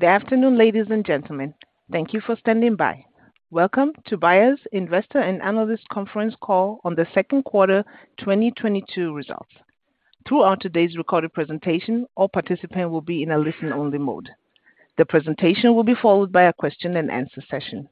Good afternoon, ladies and gentlemen. Thank you for standing by. Welcome to Bayer's investor and analyst conference call on the second quarter 2022 results. Throughout today's recorded presentation, all participants will be in a listen-only mode. The presentation will be followed by a question-and-answer session.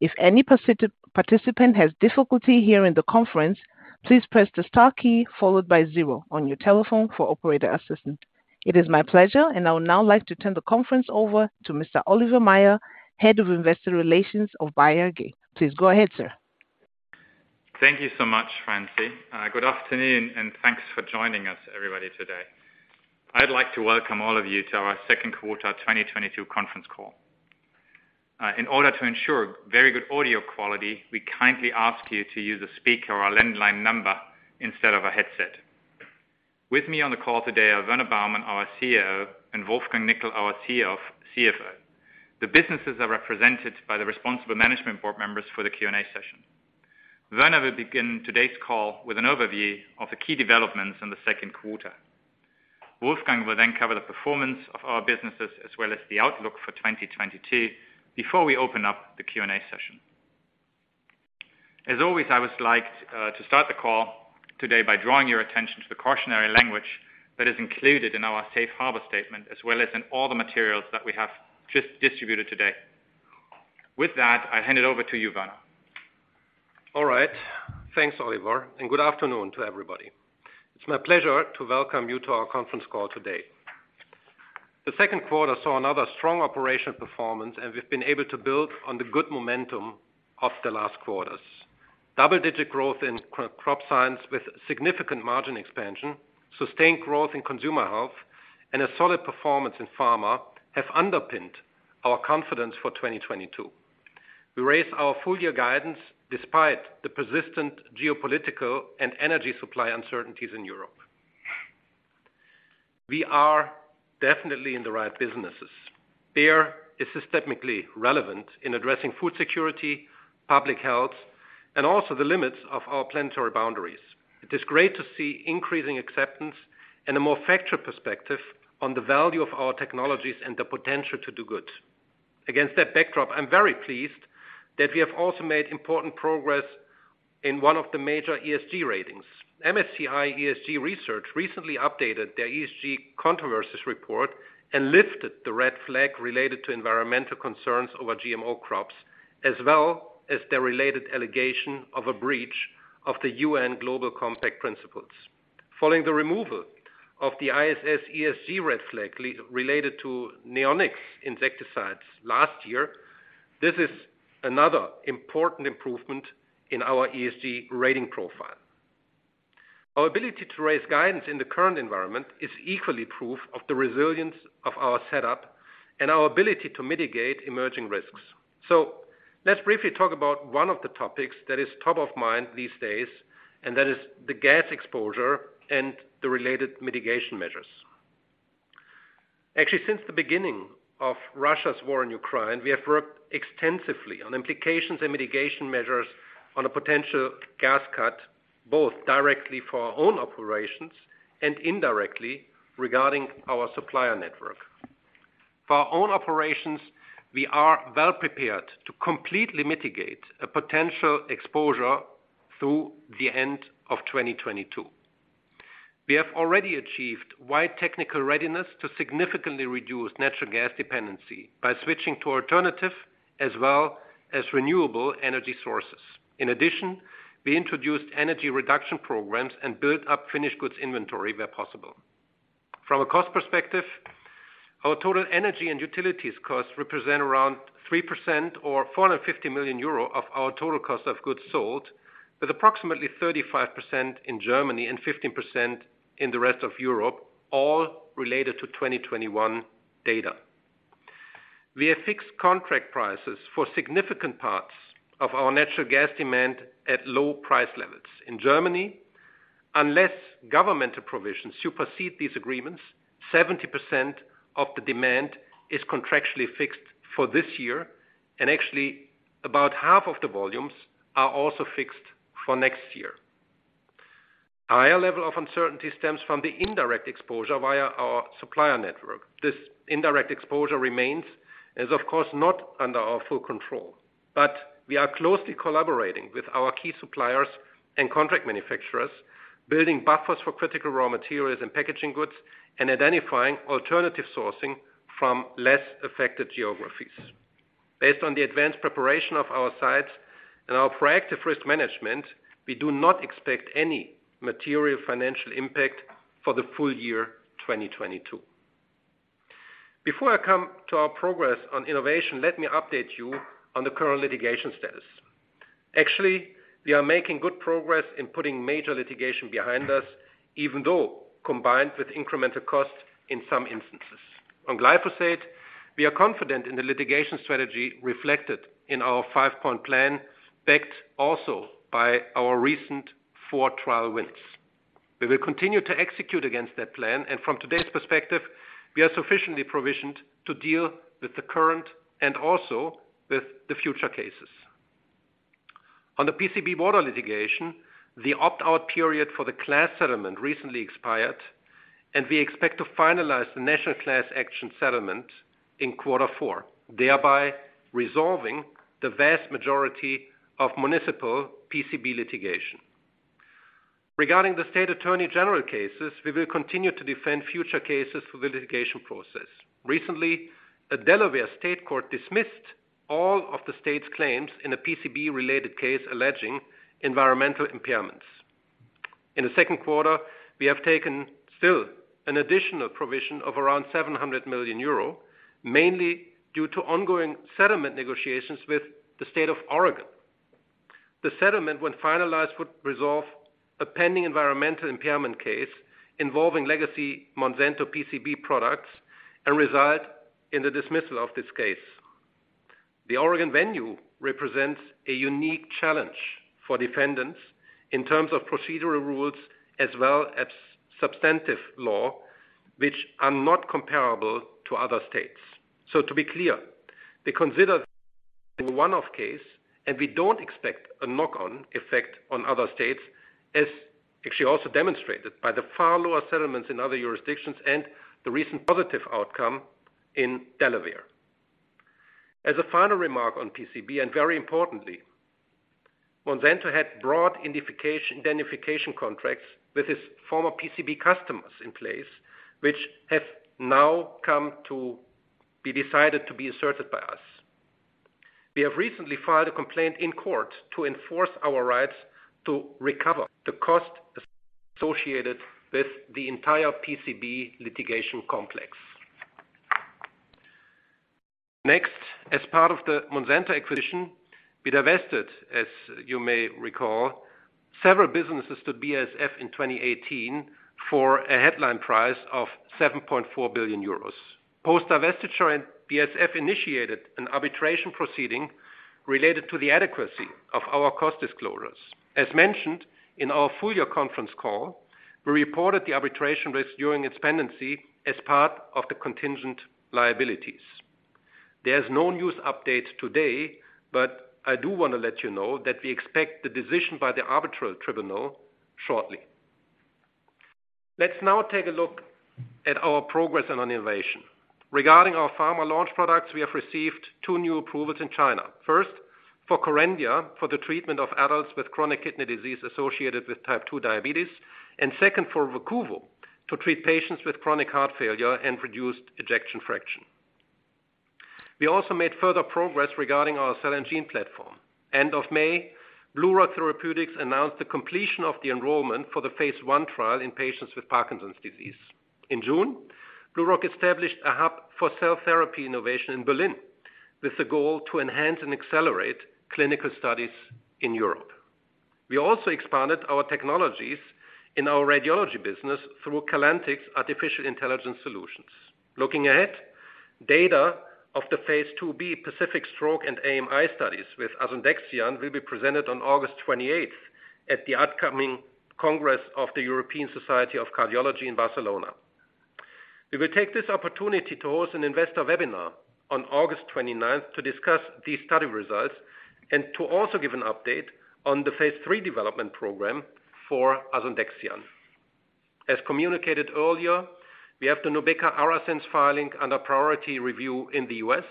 If any participant has difficulty hearing the conference, please press the star key followed by zero on your telephone for operator assistance. It is my pleasure, and I would now like to turn the conference over to Mr. Oliver Maier, Head of Investor Relations of Bayer AG. Please go ahead, sir. Thank you so much, Franzi. Good afternoon, and thanks for joining us everybody today. I'd like to welcome all of you to our second quarter 2022 conference call. In order to ensure very good audio quality, we kindly ask you to use a speaker or a landline number instead of a headset. With me on the call today are Werner Baumann, our CEO, and Wolfgang Nickl, our CFO. The businesses are represented by the responsible management board members for the Q&A session. Werner will begin today's call with an overview of the key developments in the second quarter. Wolfgang will then cover the performance of our businesses as well as the outlook for 2022 before we open up the Q&A session. As always, I would like to start the call today by drawing your attention to the cautionary language that is included in our safe harbor statement, as well as in all the materials that we have just distributed today. With that, I hand it over to you, Werner. All right. Thanks, Oliver, and good afternoon to everybody. It's my pleasure to welcome you to our conference call today. The second quarter saw another strong operational performance, and we've been able to build on the good momentum of the last quarters. Double-digit growth in Crop Science with significant margin expansion, sustained growth in Consumer Health, and a solid performance in pharma have underpinned our confidence for 2022. We raised our full-year guidance despite the persistent geopolitical and energy supply uncertainties in Europe. We are definitely in the right businesses. Bayer is systemically relevant in addressing food security, public health, and also the limits of our planetary boundaries. It is great to see increasing acceptance and a more factual perspective on the value of our technologies and the potential to do good. Against that backdrop, I'm very pleased that we have also made important progress in one of the major ESG ratings. MSCI ESG Research recently updated their ESG controversies report and lifted the red flag related to environmental concerns over GMO crops, as well as the related allegation of a breach of the UN Global Compact principles. Following the removal of the ISS ESG red flag related to neonics insecticides last year, this is another important improvement in our ESG rating profile. Our ability to raise guidance in the current environment is equally proof of the resilience of our setup and our ability to mitigate emerging risks. Let's briefly talk about one of the topics that is top of mind these days, and that is the gas exposure and the related mitigation measures. Actually, since the beginning of Russia's war in Ukraine, we have worked extensively on implications and mitigation measures on a potential gas cut, both directly for our own operations and indirectly regarding our supplier network. For our own operations, we are well prepared to completely mitigate a potential exposure through the end of 2022. We have already achieved wide technical readiness to significantly reduce natural gas dependency by switching to alternative as well as renewable energy sources. In addition, we introduced energy reduction programs and built up finished goods inventory where possible. From a cost perspective, our total energy and utilities costs represent around 3% or 450 million euro of our total cost of goods sold, with approximately 35% in Germany and 15% in the rest of Europe, all related to 2021 data. We have fixed contract prices for significant parts of our natural gas demand at low price levels. In Germany, unless governmental provisions supersede these agreements, 70% of the demand is contractually fixed for this year, and actually, about half of the volumes are also fixed for next year. Higher level of uncertainty stems from the indirect exposure via our supplier network. This indirect exposure remains, is of course not under our full control. We are closely collaborating with our key suppliers and contract manufacturers, building buffers for critical raw materials and packaging goods and identifying alternative sourcing from less affected geographies. Based on the advanced preparation of our sites and our proactive risk management, we do not expect any material financial impact for the full year 2022. Before I come to our progress on innovation, let me update you on the current litigation status. Actually, we are making good progress in putting major litigation behind us, even though combined with incremental costs in some instances. On glyphosate, we are confident in the litigation strategy reflected in our five-point plan, backed also by our recent four trial wins. We will continue to execute against that plan. From today's perspective, we are sufficiently provisioned to deal with the current and also with the future cases. On the PCB water litigation, the opt-out period for the class settlement recently expired, and we expect to finalize the national class action settlement in quarter four, thereby resolving the vast majority of municipal PCB litigation. Regarding the state attorney general cases, we will continue to defend future cases through the litigation process. Recently, a Delaware state court dismissed all of the state's claims in a PCB related case alleging environmental impairments. In the second quarter, we have taken still an additional provision of around 700 million euro, mainly due to ongoing settlement negotiations with the state of Oregon. The settlement, when finalized, would resolve a pending environmental impairment case involving legacy Monsanto PCB products and result in the dismissal of this case. The Oregon venue represents a unique challenge for defendants in terms of procedural rules as well as substantive law, which are not comparable to other states. To be clear, we consider this a one-off case, and we don't expect a knock-on effect on other states as actually also demonstrated by the far lower settlements in other jurisdictions and the recent positive outcome in Delaware. As a final remark on PCB, and very importantly, Monsanto had broad indemnification contracts with its former PCB customers in place, which have now come to be decided to be asserted by us. We have recently filed a complaint in court to enforce our rights to recover the cost associated with the entire PCB litigation complex. Next, as part of the Monsanto acquisition, we divested, as you may recall, several businesses to BASF in 2018 for a headline price of 7.4 billion euros. Post-divestiture, BASF initiated an arbitration proceeding related to the adequacy of our cost disclosures. As mentioned in our full-year conference call, we reported the arbitration risk during its pendency as part of the contingent liabilities. There's no news update today, but I do want to let you know that we expect the decision by the arbitral tribunal shortly. Let's now take a look at our progress on innovation. Regarding our pharma launch products, we have received two new approvals in China. First, for KERENDIA, for the treatment of adults with chronic kidney disease associated with type 2 diabetes. Second for Verquvo, to treat patients with chronic heart failure and reduced ejection fraction. We also made further progress regarding our cell and gene platform. End of May, BlueRock Therapeutics announced the completion of the enrollment for the phase 1 trial in patients with Parkinson's disease. In June, BlueRock established a hub for cell therapy innovation in Berlin with the goal to enhance and accelerate clinical studies in Europe. We also expanded our technologies in our radiology business through Calantic's artificial intelligence solutions. Looking ahead, data of the phase II-B PACIFIC-Stroke and PACIFIC-AMI studies with asundexian will be presented on August 28th at the upcoming Congress of the European Society of Cardiology in Barcelona. We will take this opportunity to host an investor webinar on August 29th to discuss these study results and to also give an update on the phase III development program for asundexian. As communicated earlier, we have the NUBEQA ARASENS filing under priority review in the U.S.,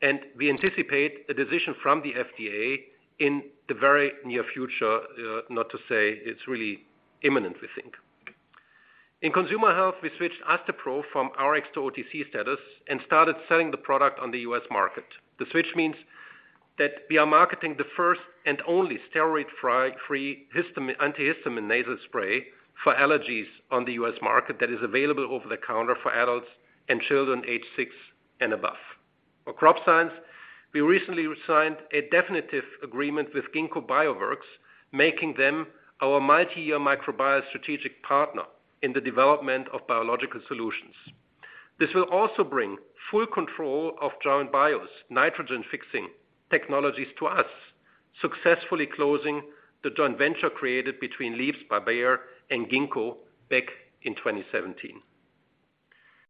and we anticipate a decision from the FDA in the very near future, not to say it's really imminent, we think. In Consumer Health, we switched Astepro from Rx-to-OTC status and started selling the product on the U.S. market. The switch means that we are marketing the first and only steroid-free antihistamine nasal spray for allergies on the U.S. market that is available over the counter for adults and children aged six and above. For Crop Science, we recently signed a definitive agreement with Ginkgo Bioworks, making them our multi-year microbiome strategic partner in the development of biological solutions. This will also bring full control of Joyn Bio's nitrogen-fixing technologies to us, successfully closing the joint venture created between Leaps by Bayer and Ginkgo back in 2017.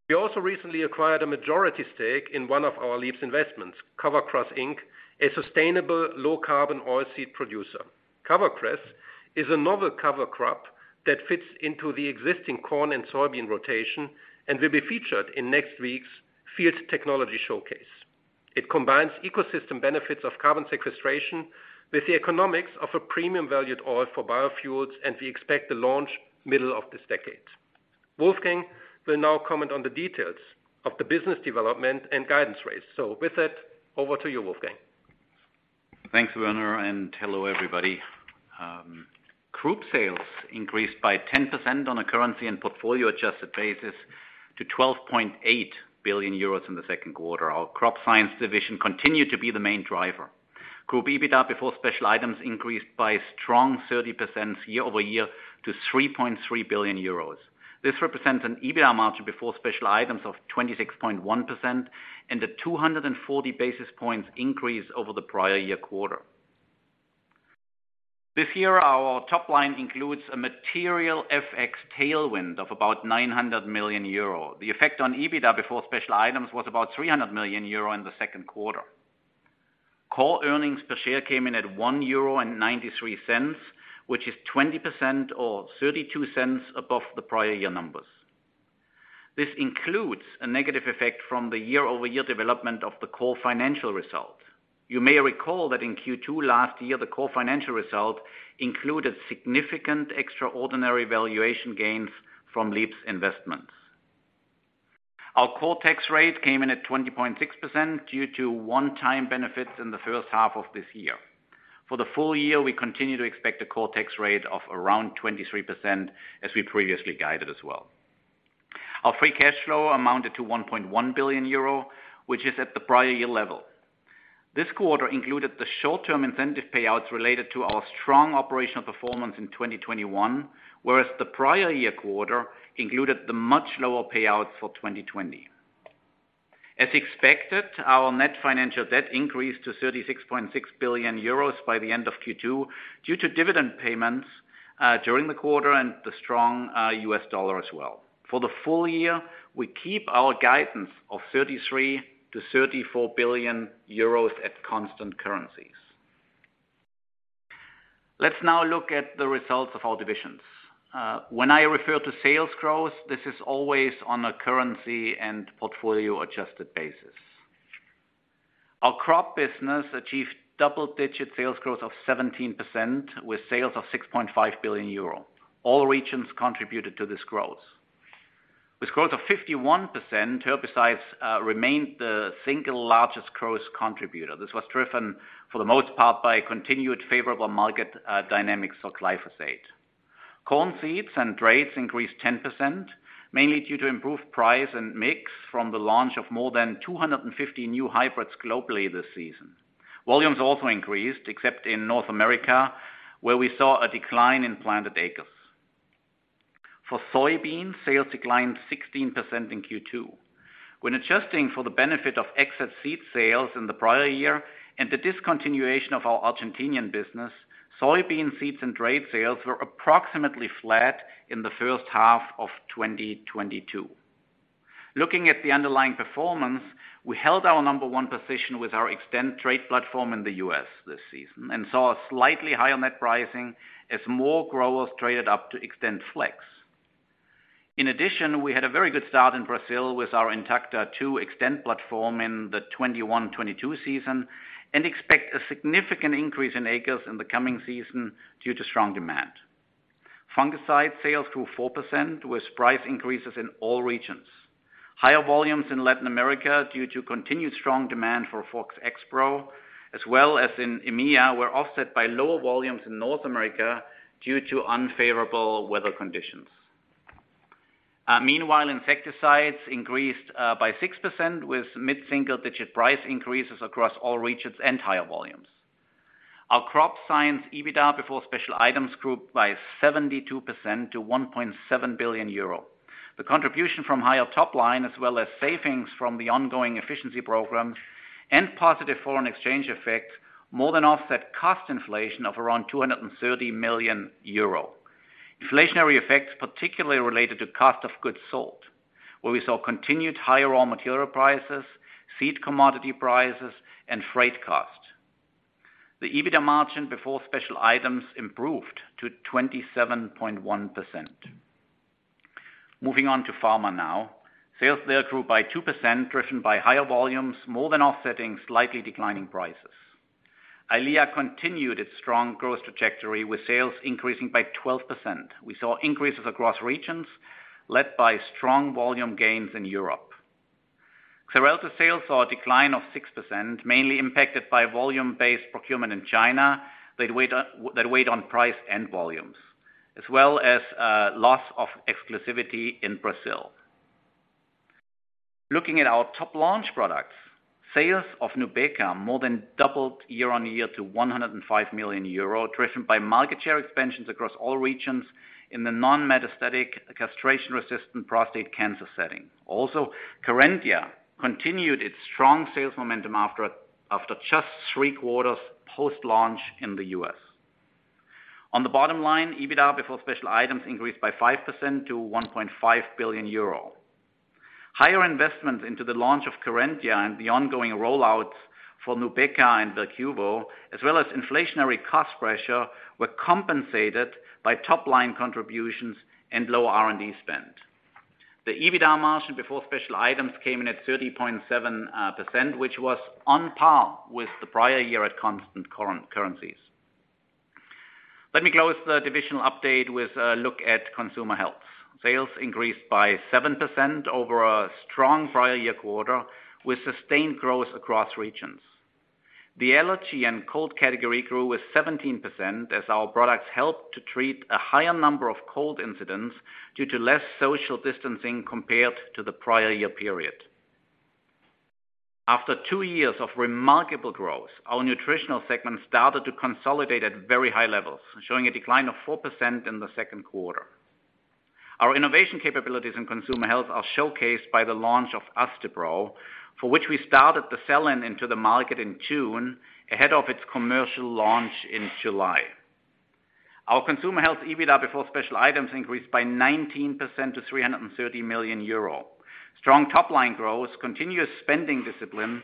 We also recently acquired a majority stake in one of our Leaps investments, CoverCress, Inc., a sustainable low-carbon oilseed producer. CoverCress is a novel cover crop that fits into the existing corn and soybean rotation and will be featured in next week's Field Technology Showcase. It combines ecosystem benefits of carbon sequestration with the economics of a premium valued oil for biofuels, and we expect the launch middle of this decade. Wolfgang will now comment on the details of the business development and guidance rates. With that, over to you, Wolfgang. Thanks, Werner, and hello, everybody. Group sales increased by 10% on a currency and portfolio adjusted basis to 12.8 billion euros in the second quarter. Our Crop Science division continued to be the main driver. Group EBITDA before special items increased by a strong 30% year-over-year to 3.3 billion euros. This represents an EBITDA margin before special items of 26.1% and a 240 basis points increase over the prior year quarter. This year, our top line includes a material FX tailwind of about 900 million euro. The effect on EBITDA before special items was about 300 million euro in the second quarter. Core earnings per share came in at 1.93 euro, which is 20% or 0.32 above the prior year numbers. This includes a negative effect from the year-over-year development of the core financial results. You may recall that in Q2 last year, the core financial result included significant extraordinary valuation gains from Leaps investments. Our core tax rate came in at 20.6% due to one-time benefits in the first half of this year. For the full year, we continue to expect a core tax rate of around 23% as we previously guided as well. Our free cash flow amounted to 1.1 billion euro, which is at the prior year level. This quarter included the short-term incentive payouts related to our strong operational performance in 2021, whereas the prior year quarter included the much lower payouts for 2020. As expected, our net financial debt increased to 36.6 billion euros by the end of Q2 due to dividend payments during the quarter and the strong U.S. dollar as well. For the full year, we keep our guidance of 33-34 billion euros at constant currencies. Let's now look at the results of our divisions. When I refer to sales growth, this is always on a currency and portfolio-adjusted basis. Our crop business achieved double-digit sales growth of 17% with sales of 6.5 billion euro. All regions contributed to this growth. With growth of 51%, herbicides remained the single largest growth contributor. This was driven for the most part by continued favorable market dynamics of glyphosate. Corn seeds and traits increased 10%, mainly due to improved price and mix from the launch of more than 250 new hybrids globally this season. Volumes also increased, except in North America, where we saw a decline in planted acres. For soybeans, sales declined 16% in Q2. When adjusting for the benefit of excess seed sales in the prior year and the discontinuation of our Argentinian business, soybean seeds and trait sales were approximately flat in the first half of 2022. Looking at the underlying performance, we held our number one position with our Xtend trait platform in the U.S. this season and saw a slightly higher net pricing as more growers traded up to XtendFlex. In addition, we had a very good start in Brazil with our Intacta 2 Xtend platform in the 2021-2022 season and expect a significant increase in acres in the coming season due to strong demand. Fungicide sales grew 4% with price increases in all regions. Higher volumes in Latin America due to continued strong demand for Fox Xpro, as well as in EMEA, were offset by lower volumes in North America due to unfavorable weather conditions. Meanwhile, insecticides increased by 6% with mid-single-digit price increases across all regions and higher volumes. Our Crop Science EBITDA before special items grew by 72% to 1.7 billion euro. The contribution from higher top line as well as savings from the ongoing efficiency program and positive foreign exchange effect more than offset cost inflation of around 230 million euro. Inflationary effects particularly related to cost of goods sold, where we saw continued higher raw material prices, seed commodity prices, and freight cost. The EBITDA margin before special items improved to 27.1%. Moving on to pharma now. Sales there grew by 2%, driven by higher volumes, more than offsetting slightly declining prices. Eylea continued its strong growth trajectory with sales increasing by 12%. We saw increases across regions led by strong volume gains in Europe. Xarelto sales saw a decline of 6%, mainly impacted by volume-based procurement in China that weighed on price and volumes, as well as loss of exclusivity in Brazil. Looking at our top launch products, sales of NUBEQA more than doubled year-on-year to 105 million euro, driven by market share expansions across all regions in the non-metastatic castration-resistant prostate cancer setting. Also, KERENDIA continued its strong sales momentum after just three quarters post-launch in the U.S. On the bottom line, EBITDA before special items increased by 5% to 1.5 billion euro. Higher investments into the launch of KERENDIA and the ongoing rollouts for NUBEQA and Verquvo, as well as inflationary cost pressure, were compensated by top line contributions and lower R&D spend. The EBITDA margin before special items came in at 30.7%, which was on par with the prior year at constant currencies. Let me close the divisional update with a look at Consumer Health. Sales increased by 7% over a strong prior year quarter with sustained growth across regions. The allergy and cold category grew with 17% as our products helped to treat a higher number of cold incidents due to less social distancing compared to the prior year period. After two years of remarkable growth, our nutritional segment started to consolidate at very high levels, showing a decline of 4% in the second quarter. Our innovation capabilities in Consumer Health are showcased by the launch of Astepro, for which we started the sell-in into the market in June ahead of its commercial launch in July. Our Consumer Health EBITDA before special items increased by 19% to 330 million euro. Strong top-line growth, continuous spending discipline,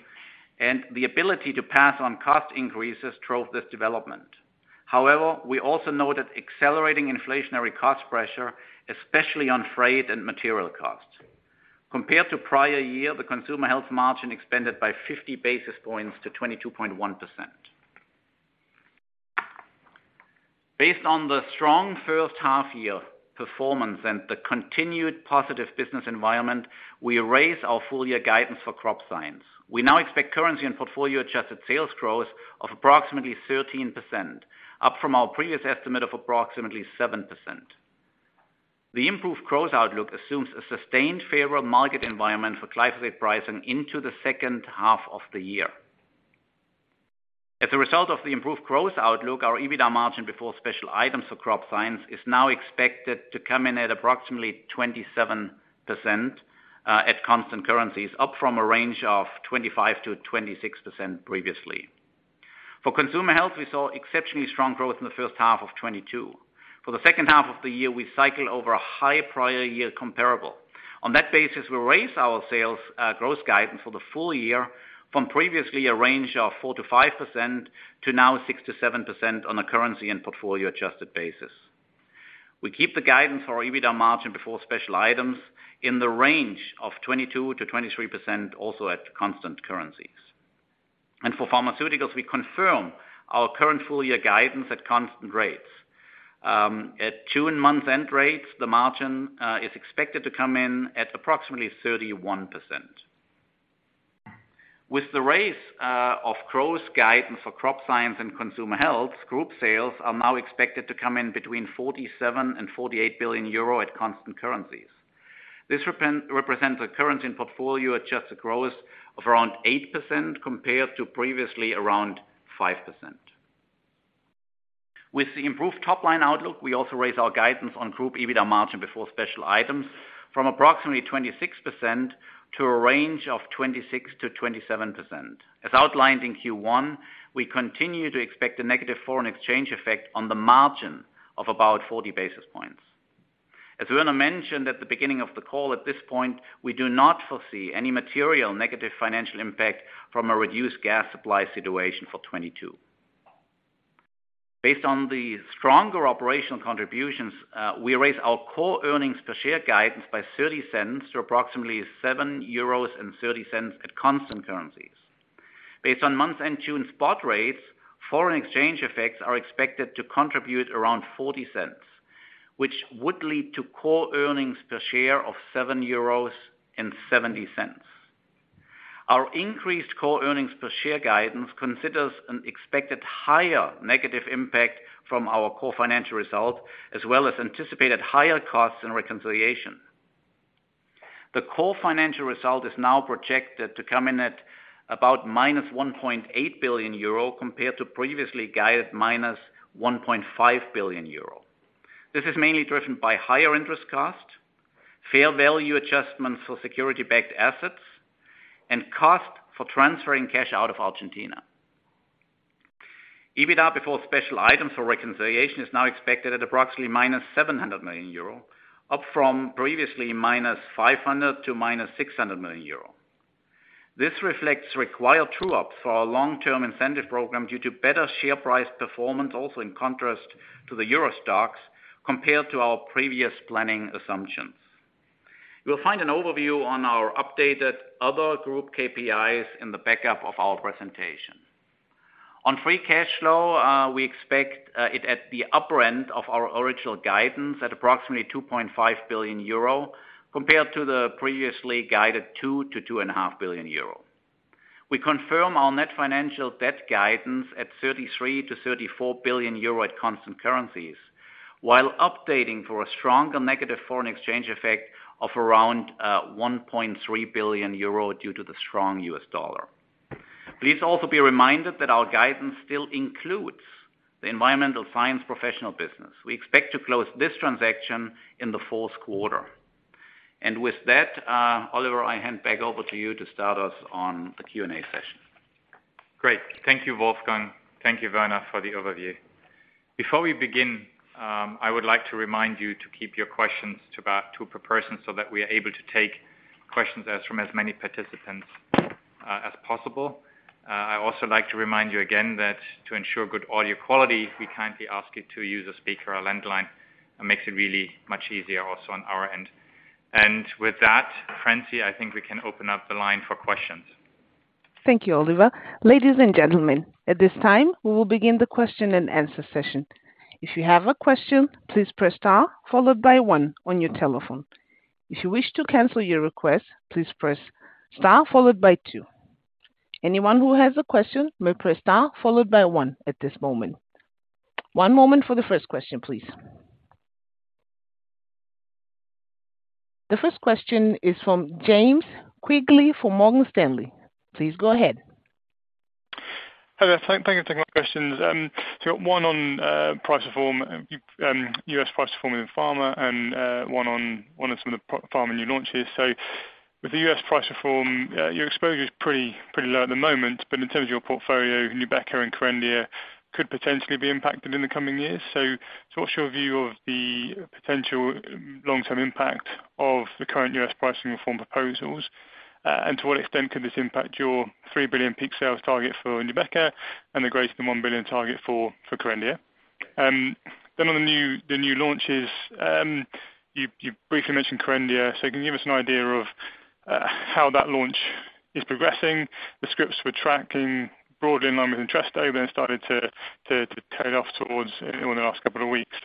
and the ability to pass on cost increases drove this development. However, we also noted accelerating inflationary cost pressure, especially on freight and material costs. Compared to prior year, the Consumer Health margin expanded by 50 basis points to 22.1%. Based on the strong first half year performance and the continued positive business environment, we raised our full year guidance for Crop Science. We now expect currency and portfolio-adjusted sales growth of approximately 13%, up from our previous estimate of approximately 7%. The improved growth outlook assumes a sustained favorable market environment for glyphosate pricing into the second half of the year. As a result of the improved growth outlook, our EBITDA margin before special items for Crop Science is now expected to come in at approximately 27% at constant currencies, up from a range of 25%-26% previously. For Consumer Health, we saw exceptionally strong growth in the first half of 2022. For the second half of the year, we cycled over a high prior year comparable. On that basis, we raised our sales growth guidance for the full year from previously a range of 4%-5% to now 6%-7% on a currency and portfolio adjusted basis. We keep the guidance for our EBITDA margin before special items in the range of 22%-23%, also at constant currencies. For Pharmaceuticals, we confirm our current full year guidance at constant rates. At June month-end rates, the margin is expected to come in at approximately 31%. With the raise of gross guidance for Crop Science and Consumer Health, group sales are now expected to come in between 47 billion and 48 billion euro at constant currencies. This represents a currency and portfolio-adjusted growth of around 8% compared to previously around 5%. With the improved top-line outlook, we also raise our guidance on group EBITDA margin before special items from approximately 26% to a range of 26%-27%. As outlined in Q1, we continue to expect a negative foreign exchange effect on the margin of about 40 basis points. As Werner mentioned at the beginning of the call, at this point, we do not foresee any material negative financial impact from a reduced gas supply situation for 2022. Based on the stronger operational contributions, we raise our core earnings per share guidance by 0.30 to approximately 7.30 euros at constant currencies. Based on month-end June spot rates, foreign exchange effects are expected to contribute around 0.40, which would lead to core earnings per share of 7.70 euros. Our increased core earnings per share guidance considers an expected higher negative impact from our core financial result, as well as anticipated higher costs and Reconciliation. The core financial result is now projected to come in at about -1.8 billion euro compared to previously guided -1.5 billion euro. This is mainly driven by higher interest costs, fair value adjustments for security-backed assets, and cost for transferring cash out of Argentina. EBITDA before special items for Reconciliation is now expected at approximately -700 million euro, up from previously -500 million to -600 million euro. This reflects required true up for our long-term incentive program due to better share price performance, also in contrast to the EURO STOXX, compared to our previous planning assumptions. You'll find an overview on our updated other group KPIs in the backup of our presentation. On free cash flow, we expect it at the upper end of our original guidance at approximately 2.5 billion euro, compared to the previously guided 2 billion-2.5 billion euro. We confirm our net financial debt guidance at 33 billion-34 billion euro at constant currencies, while updating for a stronger negative foreign exchange effect of around 1.3 billion euro due to the strong U.S. dollar. Please also be reminded that our guidance still includes the Environmental Science Professional business. We expect to close this transaction in the fourth quarter. With that, Oliver, I hand back over to you to start us on the Q&A session. Great. Thank you, Wolfgang. Thank you, Werner, for the overview. Before we begin, I would like to remind you to keep your questions to about two per person so that we are able to take questions from as many participants as possible. I also like to remind you again that to ensure good audio quality, we kindly ask you to use a speaker or landline. It makes it really much easier also on our end. With that, Franzi, I think we can open up the line for questions. Thank you, Oliver. Ladies and gentlemen, at this time, we will begin the question and answer session. If you have a question, please press star followed by one on your telephone. If you wish to cancel your request, please press star followed by two. Anyone who has a question may press star followed by one at this moment. One moment for the first question, please. The first question is from James Quigley for Morgan Stanley. Please go ahead. Hello. Thank you for taking my questions. One on U.S. price reform in pharma and one on some of the pharma new launches. With the U.S. price reform, your exposure is pretty low at the moment, but in terms of your portfolio, NUBEQA and KERENDIA could potentially be impacted in the coming years. What's your view of the potential long-term impact of the current U.S. pricing reform proposals? And to what extent could this impact your 3 billion peak sales target for NUBEQA and the greater than 1 billion target for KERENDIA? On the new launches, you briefly mentioned KERENDIA. Can you give us an idea of how that launch is progressing? The scripts we're tracking broadly in line with Entresto, then it started to tail off toward the end of the last couple of weeks.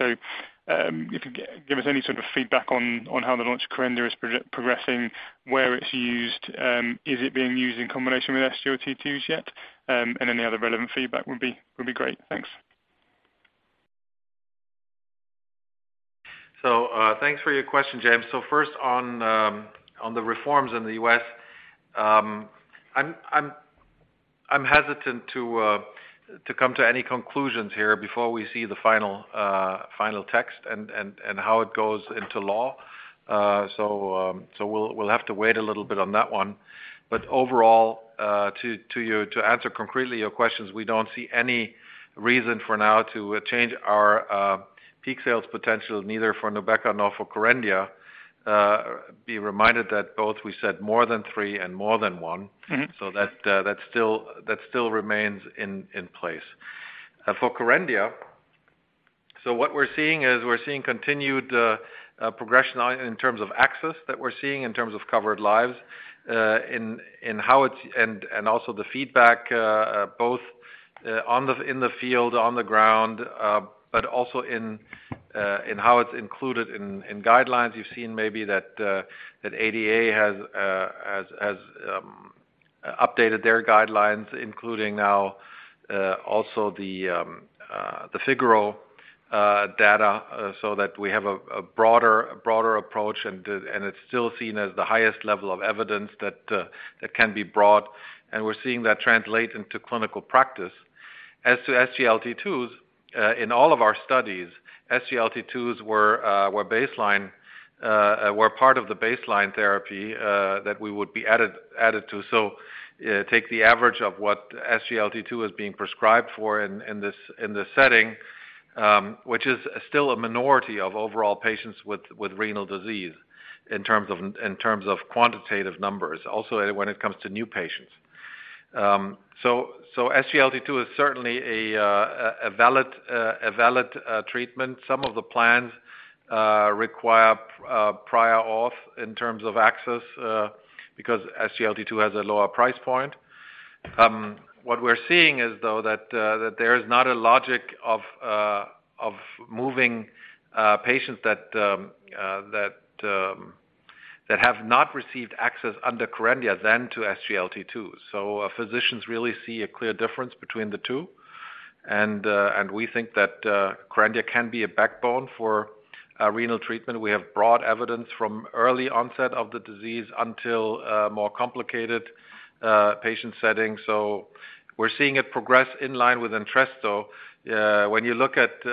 If you could give us any sort of feedback on how the launch of KERENDIA is progressing, where it's used, is it being used in combination with SGLT2s yet? And any other relevant feedback would be great. Thanks. Thanks for your question, James. First on the reforms in the U.S., I'm hesitant to come to any conclusions here before we see the final text and how it goes into law. We'll have to wait a little bit on that one. Overall, to answer concretely your questions, we don't see any reason for now to change our peak sales potential neither for NUBEQA nor for KERENDIA. Be reminded that both we said more than three and more than one. Mm-hmm. That still remains in place. For KERENDIA, what we're seeing is continued progression in terms of access that we're seeing, in terms of covered lives, in how it's, and also the feedback both in the field, on the ground, but also in how it's included in guidelines. You've seen maybe that ADA has updated their guidelines, including now also the FIGARO data, so that we have a broader approach, and it's still seen as the highest level of evidence that can be brought. We're seeing that translate into clinical practice. As to SGLT2s, in all of our studies, SGLT2s were part of the baseline therapy that we would be added to. Take the average of what SGLT2 is being prescribed for in this setting, which is still a minority of overall patients with renal disease in terms of quantitative numbers, also when it comes to new patients. SGLT2 is certainly a valid treatment. Some of the plans require prior auth in terms of access, because SGLT2 has a lower price point. What we're seeing is, though, that there is not a logic of moving patients that have not received access under KERENDIA than to SGLT2. Physicians really see a clear difference between the two, and we think that KERENDIA can be a backbone for a renal treatment. We have broad evidence from early onset of the disease until more complicated patient settings. We're seeing it progress in line with Entresto. When you look at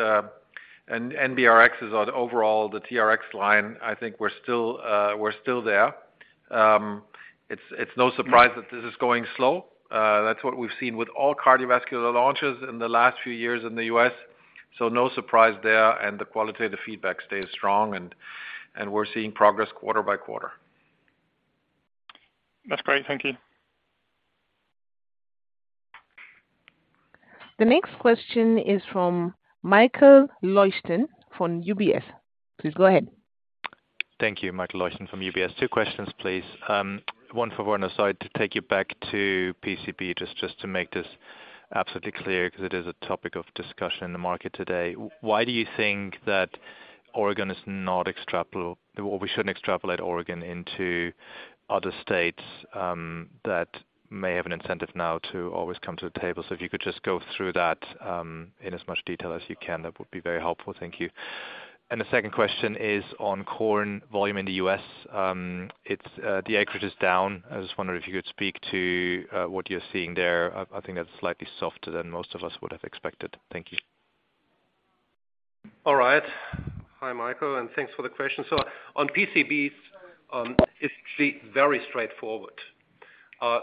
NBRxs or the overall TRx line, I think we're still there. It's no surprise. Mm-hmm. That this is going slow. That's what we've seen with all cardiovascular launches in the last few years in the U.S. No surprise there, and the qualitative feedback stays strong and we're seeing progress quarter by quarter. That's great. Thank you. The next question is from Michael Leuchten from UBS. Please go ahead. Thank you. Michael Leuchten from UBS. Two questions, please. One for Werner, so to take you back to PCB, just to make this absolutely clear, 'cause it is a topic of discussion in the market today. Why do you think that Oregon is not extrapolate or we shouldn't extrapolate Oregon into other states, that may have an incentive now to always come to the table? If you could just go through that, in as much detail as you can, that would be very helpful. Thank you. The second question is on corn volume in the U.S. It's the acreage is down. I was just wondering if you could speak to what you're seeing there. I think that's slightly softer than most of us would have expected. Thank you. All right. Hi, Michael, and thanks for the question. On PCBs, it's very straightforward.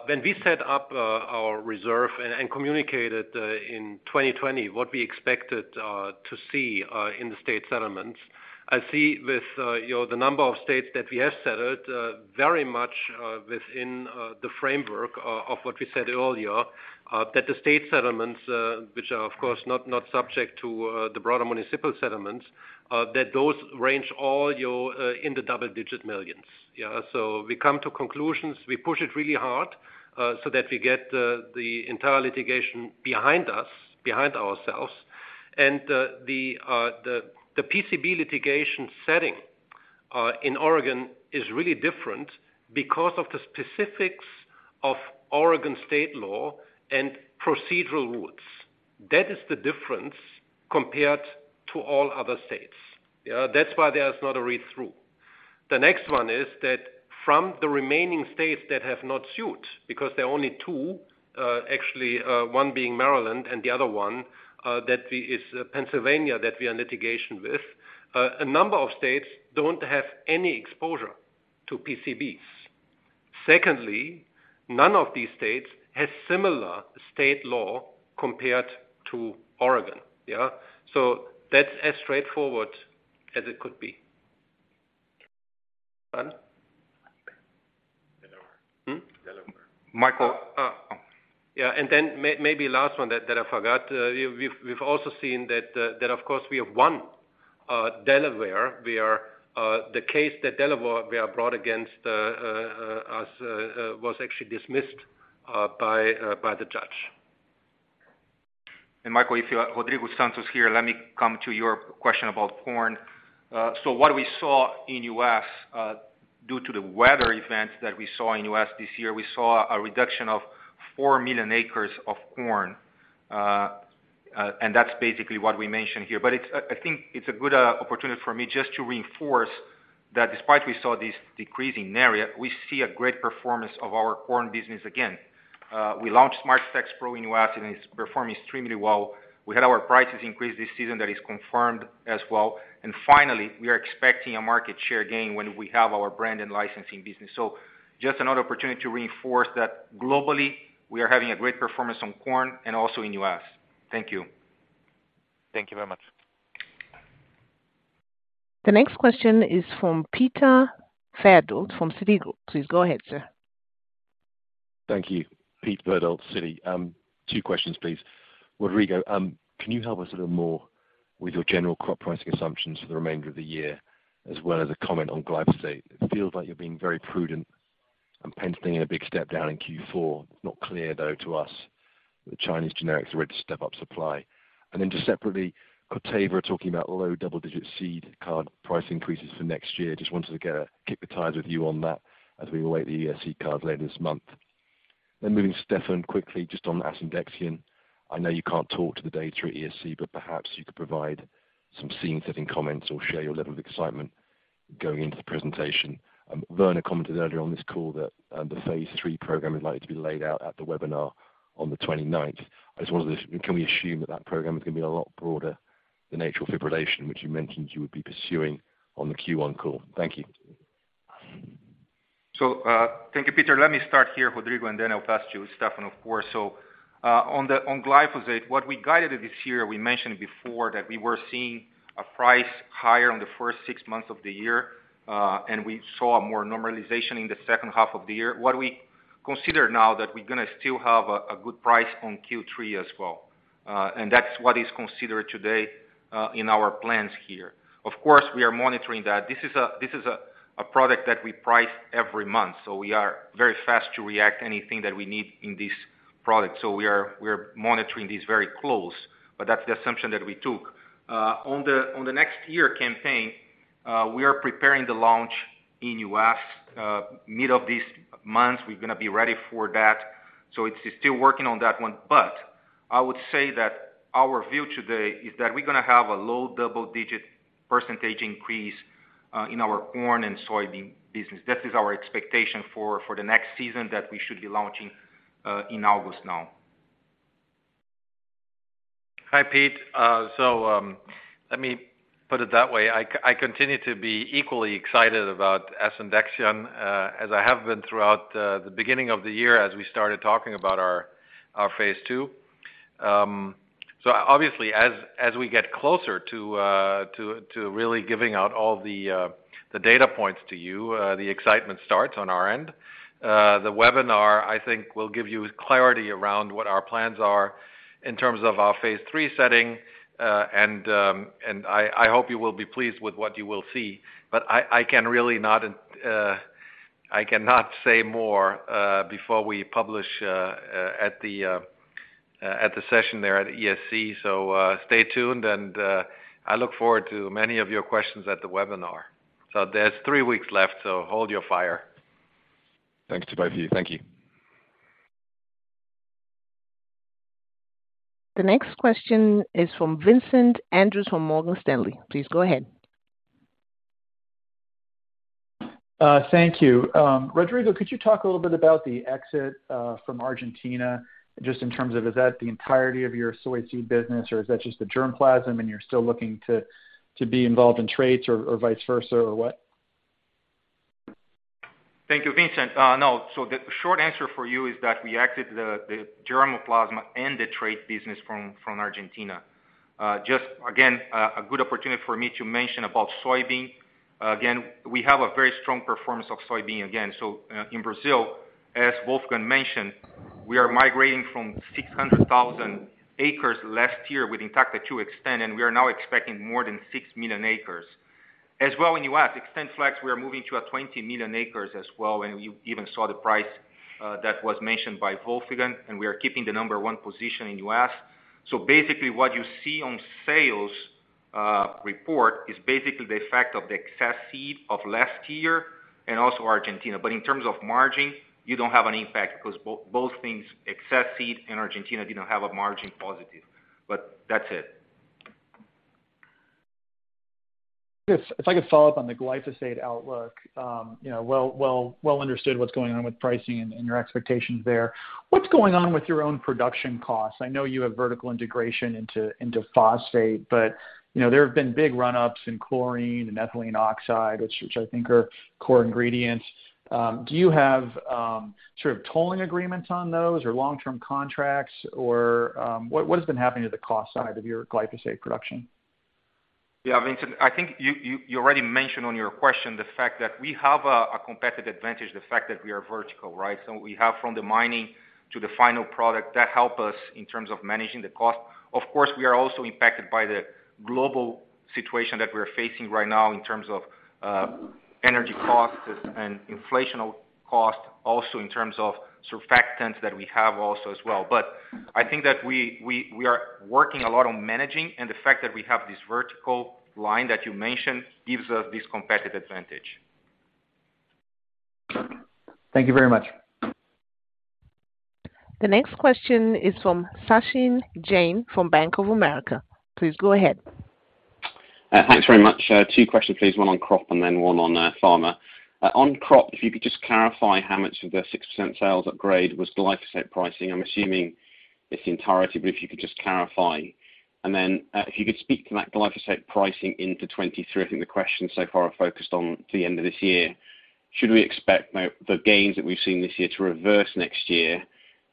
When we set up our reserve and communicated in 2020 what we expected to see in the state settlements, as we see with, you know, the number of states that we have settled, very much within the framework of what we said earlier, that the state settlements, which are of course not subject to the broader municipal settlements, range in the double-digit millions. Yeah. We come to conclusions. We push it really hard so that we get the entire litigation behind us. The PCB litigation setting in Oregon is really different because of the specifics of Oregon state law and procedural rules. That is the difference compared to all other states. Yeah, that's why there is not a read-through. The next one is that from the remaining states that have not sued, because there are only two, actually, one being Maryland and the other one, is Pennsylvania that we are in litigation with. A number of states don't have any exposure to PCBs. Secondly, none of these states has similar state law compared to Oregon. Yeah. That's as straightforward as it could be. Pardon? Delaware. Hmm? Delaware. Michael- Yeah, maybe last one that I forgot. We've also seen that of course we have won in Delaware. The case in Delaware that was brought against us was actually dismissed by the judge. Michael, if you are, Rodrigo Santos here, let me come to your question about corn. What we saw in U.S., due to the weather events that we saw in U.S. this year, we saw a reduction of 4 million acres of corn. That's basically what we mentioned here. I think it's a good opportunity for me just to reinforce that despite we saw this decrease in area, we see a great performance of our corn business again. We launched SmartStax PRO in U.S., and it's performing extremely well. We had our prices increase this season. That is confirmed as well. Finally, we are expecting a market share gain when we have our brand and licensing business. Just another opportunity to reinforce that globally, we are having a great performance on corn and also in U.S. Thank you. Thank you very much. The next question is from Peter Verdult from Citigroup. Please go ahead, sir. Thank you. Peter Verdult, Citigroup. Two questions, please. Rodrigo, can you help us a little more with your general crop pricing assumptions for the remainder of the year, as well as a comment on glyphosate? It feels like you're being very prudent and penciling in a big step down in Q4. It's not clear though, to us, the Chinese generics are ready to step up supply. Just separately, Corteva talking about low double-digit seed cost price increases for next year. Just wanted to get a kick the tires with you on that as we await the ESC Congress later this month. Moving to Stefan quickly, just on asundexian. I know you can't talk to the data at ESC, but perhaps you could provide some scene-setting comments or share your level of excitement going into the presentation. Werner commented earlier on this call that the phase III program is likely to be laid out at the webinar on the 29th. I just wondered, can we assume that program is going to be a lot broader than atrial fibrillation, which you mentioned you would be pursuing on the Q1 call? Thank you. Thank you, Peter. Let me start here, Rodrigo, and then I'll pass to you, Stefan, of course. On glyphosate, what we guided this year, we mentioned before that we were seeing a price higher in the first six months of the year, and we saw more normalization in the second half of the year. What we consider now that we're gonna still have a good price on Q3 as well. And that's what is considered today in our plans here. Of course, we are monitoring that. This is a product that we price every month, so we are very fast to react anything that we need in this product. We are monitoring this very close, but that's the assumption that we took. On the next year campaign, we are preparing the launch in U.S. middle of this month. We're gonna be ready for that. It's still working on that one. I would say that our view today is that we're gonna have a low double-digit percentage increase in our corn and soybean business. That is our expectation for the next season that we should be launching in August now. Hi, Pete. Let me put it that way. I continue to be equally excited about asundexian as I have been throughout the beginning of the year as we started talking about our phase II. Obviously, as we get closer to really giving out all the data points to you, the excitement starts on our end. The webinar, I think, will give you clarity around what our plans are in terms of our phase III setting. I hope you will be pleased with what you will see, but I cannot say more before we publish at the session there at ESC. Stay tuned, and I look forward to many of your questions at the webinar. There's three weeks left, so hold your fire. Thanks to both of you. Thank you. The next question is from Vincent Andrews from Morgan Stanley. Please go ahead. Thank you. Rodrigo, could you talk a little bit about the exit from Argentina, just in terms of is that the entirety of your soy seed business, or is that just the germplasm, and you're still looking to be involved in trades or vice versa, or what? Thank you, Vincent. No. The short answer for you is that we exited the germplasm and the trade business from Argentina. Just again, a good opportunity for me to mention about soybean. Again, we have a very strong performance of soybean again. In Brazil, as Wolfgang mentioned, we are migrating from 600,000 acres last year with Intacta to Xtend, and we are now expecting more than 6 million acres. As well in U.S., XtendFlex, we are moving to 20 million acres as well, and you even saw the price that was mentioned by Wolfgang, and we are keeping the number one position in U.S. Basically what you see on sales report is basically the effect of the excess seed of last year and also Argentina. In terms of margin, you don't have an impact because both things, excess seed and Argentina, didn't have a margin positive. That's it. If I could follow up on the glyphosate outlook, you know, well understood what's going on with pricing and your expectations there. What's going on with your own production costs? I know you have vertical integration into phosphate, but, you know, there have been big run ups in chlorine and ethylene oxide, which I think are core ingredients. Do you have sort of tolling agreements on those or long-term contracts, or what has been happening to the cost side of your glyphosate production? Yeah, I mean, I think you already mentioned in your question the fact that we have a competitive advantage, the fact that we are vertical, right? We have from the mining to the final product that help us in terms of managing the cost. Of course, we are also impacted by the global situation that we're facing right now in terms of energy costs and inflationary cost also in terms of surfactants that we have also as well. I think that we are working a lot on managing, and the fact that we have this vertical line that you mentioned gives us this competitive advantage. Thank you very much. The next question is from Sachin Jain from Bank of America. Please go ahead. Thanks very much. Two questions, please. One on crop and then one on pharma. On crop, if you could just clarify how much of the 6% sales upgrade was glyphosate pricing. I'm assuming it's in its entirety, but if you could just clarify. And then, if you could speak to that glyphosate pricing into 2023. I think the questions so far are focused on the end of this year. Should we expect the gains that we've seen this year to reverse next year?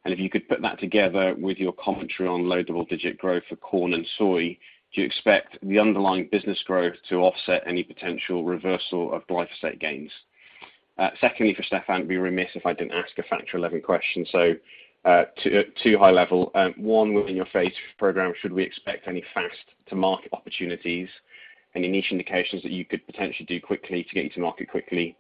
And if you could put that together with your commentary on low double-digit growth for corn and soy, do you expect the underlying business growth to offset any potential reversal of glyphosate gains? Secondly, for Stefan, it'd be remiss if I didn't ask a Factor XIa question. So, two high level. One, within your phase program, should we expect any fast-to-market opportunities, any niche indications that you could potentially do quickly to get you to market quickly?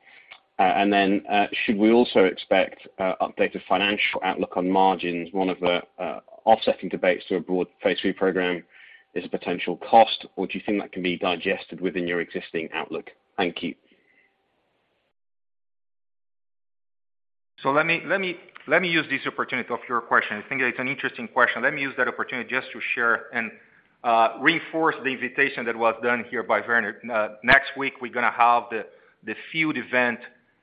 And then, should we also expect updated financial outlook on margins? One of the offsetting debates to a broad phase III program is potential cost, or do you think that can be digested within your existing outlook? Thank you. Let me use this opportunity of your question. I think it's an interesting question. Let me use that opportunity just to share and reinforce the invitation that was done here by Werner. Next week, we're gonna have the field event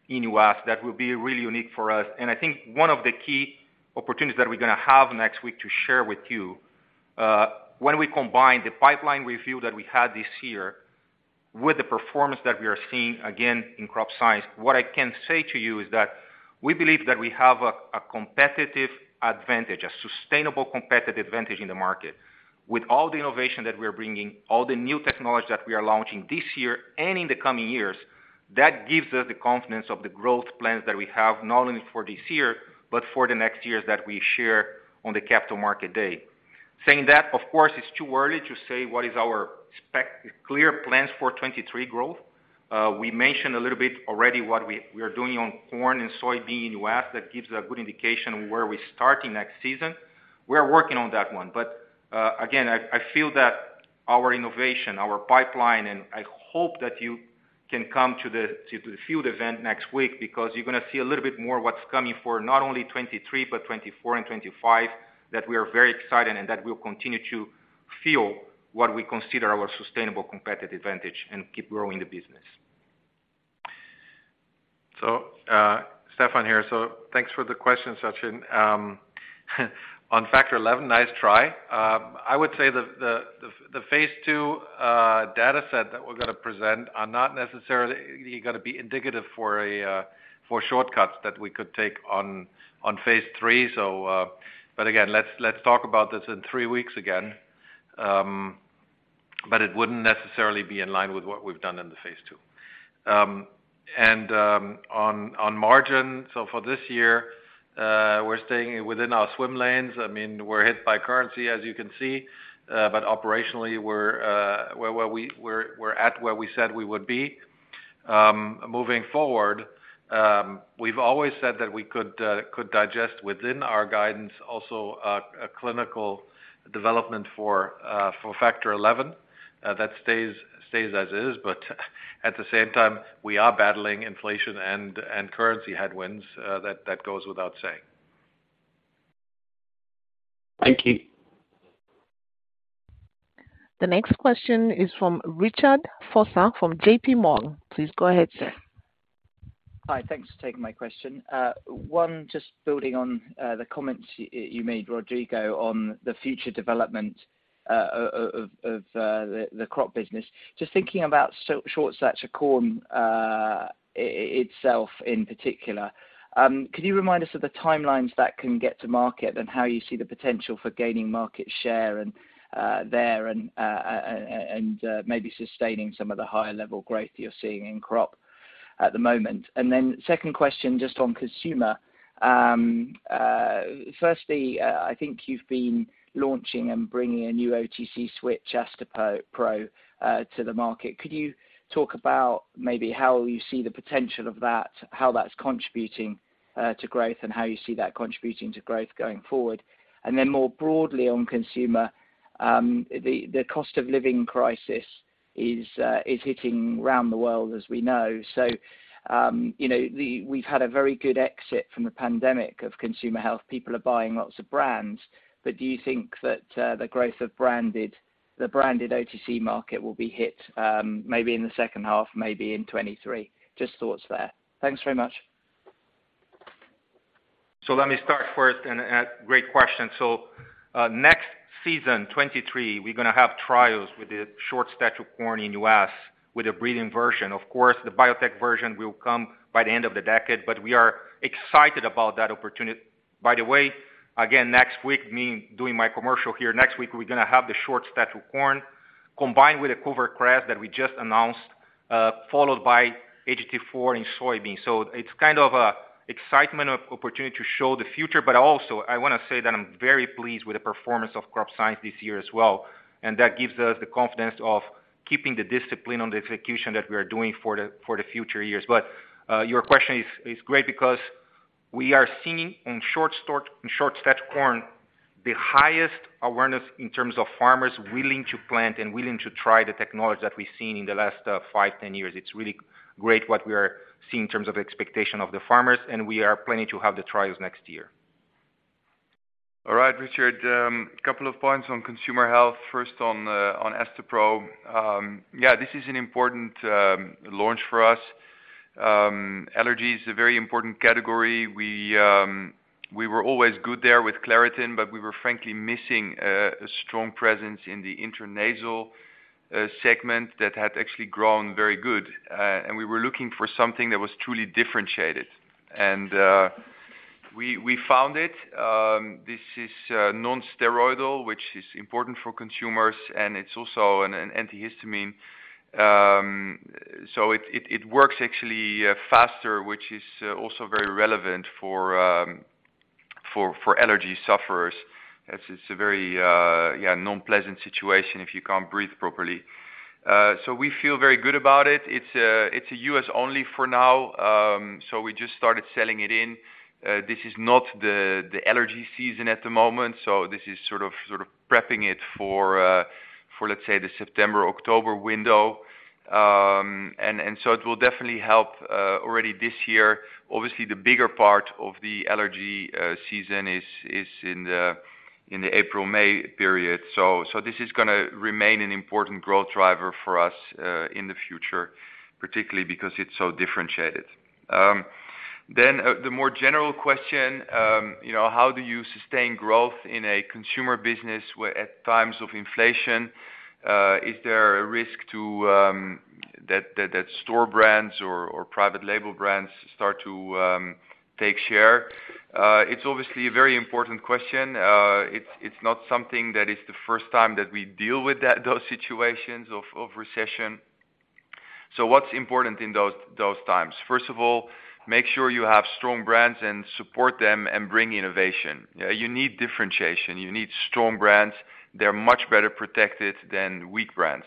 in U.S. that will be really unique for us. I think one of the key opportunities that we're gonna have next week to share with you, when we combine the pipeline review that we had this year with the performance that we are seeing again in Crop Science, what I can say to you is that we believe that we have a competitive advantage, a sustainable competitive advantage in the market. With all the innovation that we're bringing, all the new technology that we are launching this year and in the coming years, that gives us the confidence of the growth plans that we have not only for this year, but for the next years that we share on the Capital Markets Day. Saying that, of course, it's too early to say what is our specific plans for 2023 growth. We mentioned a little bit already what we are doing on corn and soybean in U.S. That gives a good indication of where we're starting next season. We are working on that one. Again, I feel that our innovation, our pipeline, and I hope that you can come to the field event next week because you're gonna see a little bit more what's coming for not only 2023, but 2024 and 2025, that we are very excited and that will continue to fuel what we consider our sustainable competitive advantage and keep growing the business. Stefan here. Thanks for the question, Sachin. On Factor XIa, nice try. I would say the phase II data set that we're gonna present are not necessarily gonna be indicative for shortcuts that we could take on phase III. But again, let's talk about this in three weeks again. But it wouldn't necessarily be in line with what we've done in the phase II. And on margin, for this year, we're staying within our swim lanes. I mean, we're hit by currency, as you can see, but operationally, we're where we said we would be. Moving forward, we've always said that we could digest within our guidance also a clinical development for Factor XIa. That stays as is, but at the same time, we are battling inflation and currency headwinds, that goes without saying. Thank you. The next question is from Richard Vosser from JPMorgan. Please go ahead, sir. Hi. Thanks for taking my question. One, just building on the comments you made, Rodrigo, on the future development of the crop business. Just thinking about short stature corn itself in particular, could you remind us of the timelines that can get to market and how you see the potential for gaining market share there and maybe sustaining some of the higher level growth you're seeing in crop at the moment? Second question, just on consumer. Firstly, I think you've been launching and bringing a new OTC switch, Astepro, to the market. Could you talk about maybe how you see the potential of that, how that's contributing to growth, and how you see that contributing to growth going forward? More broadly on Consumer Health, the cost of living crisis is hitting around the world as we know. You know, we've had a very good exit from the pandemic of Consumer Health. People are buying lots of brands. Do you think that the growth of the branded OTC market will be hit, maybe in the second half, maybe in 2023? Just thoughts there. Thanks very much. Let me start first, and great question. Next season, 2023, we're gonna have trials with the short stature corn in U.S. with a breeding version. Of course, the biotech version will come by the end of the decade, but we are excited about that opportunity. By the way, again, next week, me doing my commercial here, next week, we're gonna have the short stature corn combined with CoverCress that we just announced, followed by HT4 in soybeans. It's kind of a excitement of opportunity to show the future, but also I wanna say that I'm very pleased with the performance of Crop Science this year as well, and that gives us the confidence of keeping the discipline on the execution that we are doing for the future years. Your question is great because we are seeing in short stature corn, the highest awareness in terms of farmers willing to plant and willing to try the technology that we've seen in the last 5, 10 years. It's really great what we are seeing in terms of expectation of the farmers, and we are planning to have the trials next year. All right, Richard, couple of points on Consumer Health. First on Astepro. Yeah, this is an important launch for us. Allergy is a very important category. We were always good there with Claritin, but we were frankly missing a strong presence in the intranasal segment that had actually grown very good. We were looking for something that was truly differentiated. We found it. This is non-steroidal, which is important for consumers, and it's also an antihistamine. So it works actually faster, which is also very relevant for allergy sufferers. As it's a very non-pleasant situation if you can't breathe properly. We feel very good about it. It's a U.S. only for now. We just started selling it in. This is not the allergy season at the moment, so this is sort of prepping it for, let's say, the September-October window. It will definitely help already this year. Obviously, the bigger part of the allergy season is in the April-May period. This is gonna remain an important growth driver for us in the future, particularly because it's so differentiated. The more general question, you know, how do you sustain growth in a consumer business where at times of inflation is there a risk that store brands or private label brands start to take share? It's obviously a very important question. It's not the first time that we deal with those situations of recession. What's important in those times? First of all, make sure you have strong brands and support them and bring innovation. You need differentiation. You need strong brands. They're much better protected than weak brands.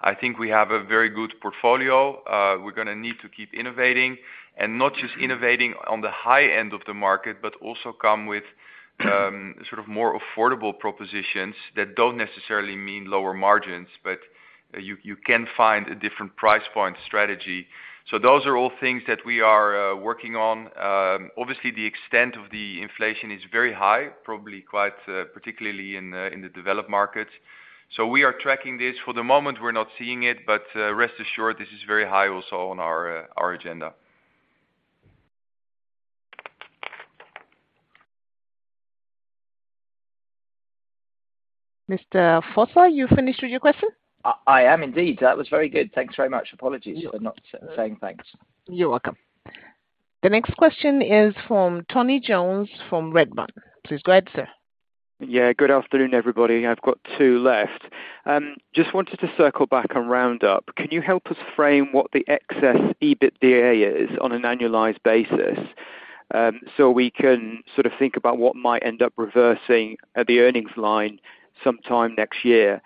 I think we have a very good portfolio. We're gonna need to keep innovating and not just innovating on the high end of the market, but also come with sort of more affordable propositions that don't necessarily mean lower margins, but you can find a different price point strategy. Those are all things that we are working on. Obviously the extent of the inflation is very high, probably quite particularly in the developed markets. We are tracking this. For the moment, we're not seeing it, but rest assured this is very high also on our agenda. Mr. Vosser, you finished with your question? I am indeed. That was very good. Thanks very much. Apologies for not saying thanks. You're welcome. The next question is from Tony Jones from Redburn. Please go ahead, sir. Good afternoon, everybody. I've got two left. Just wanted to circle back on Roundup. Can you help us frame what the excess EBITDA is on an annualized basis? So we can sort of think about what might end up reversing the earnings line sometime next year.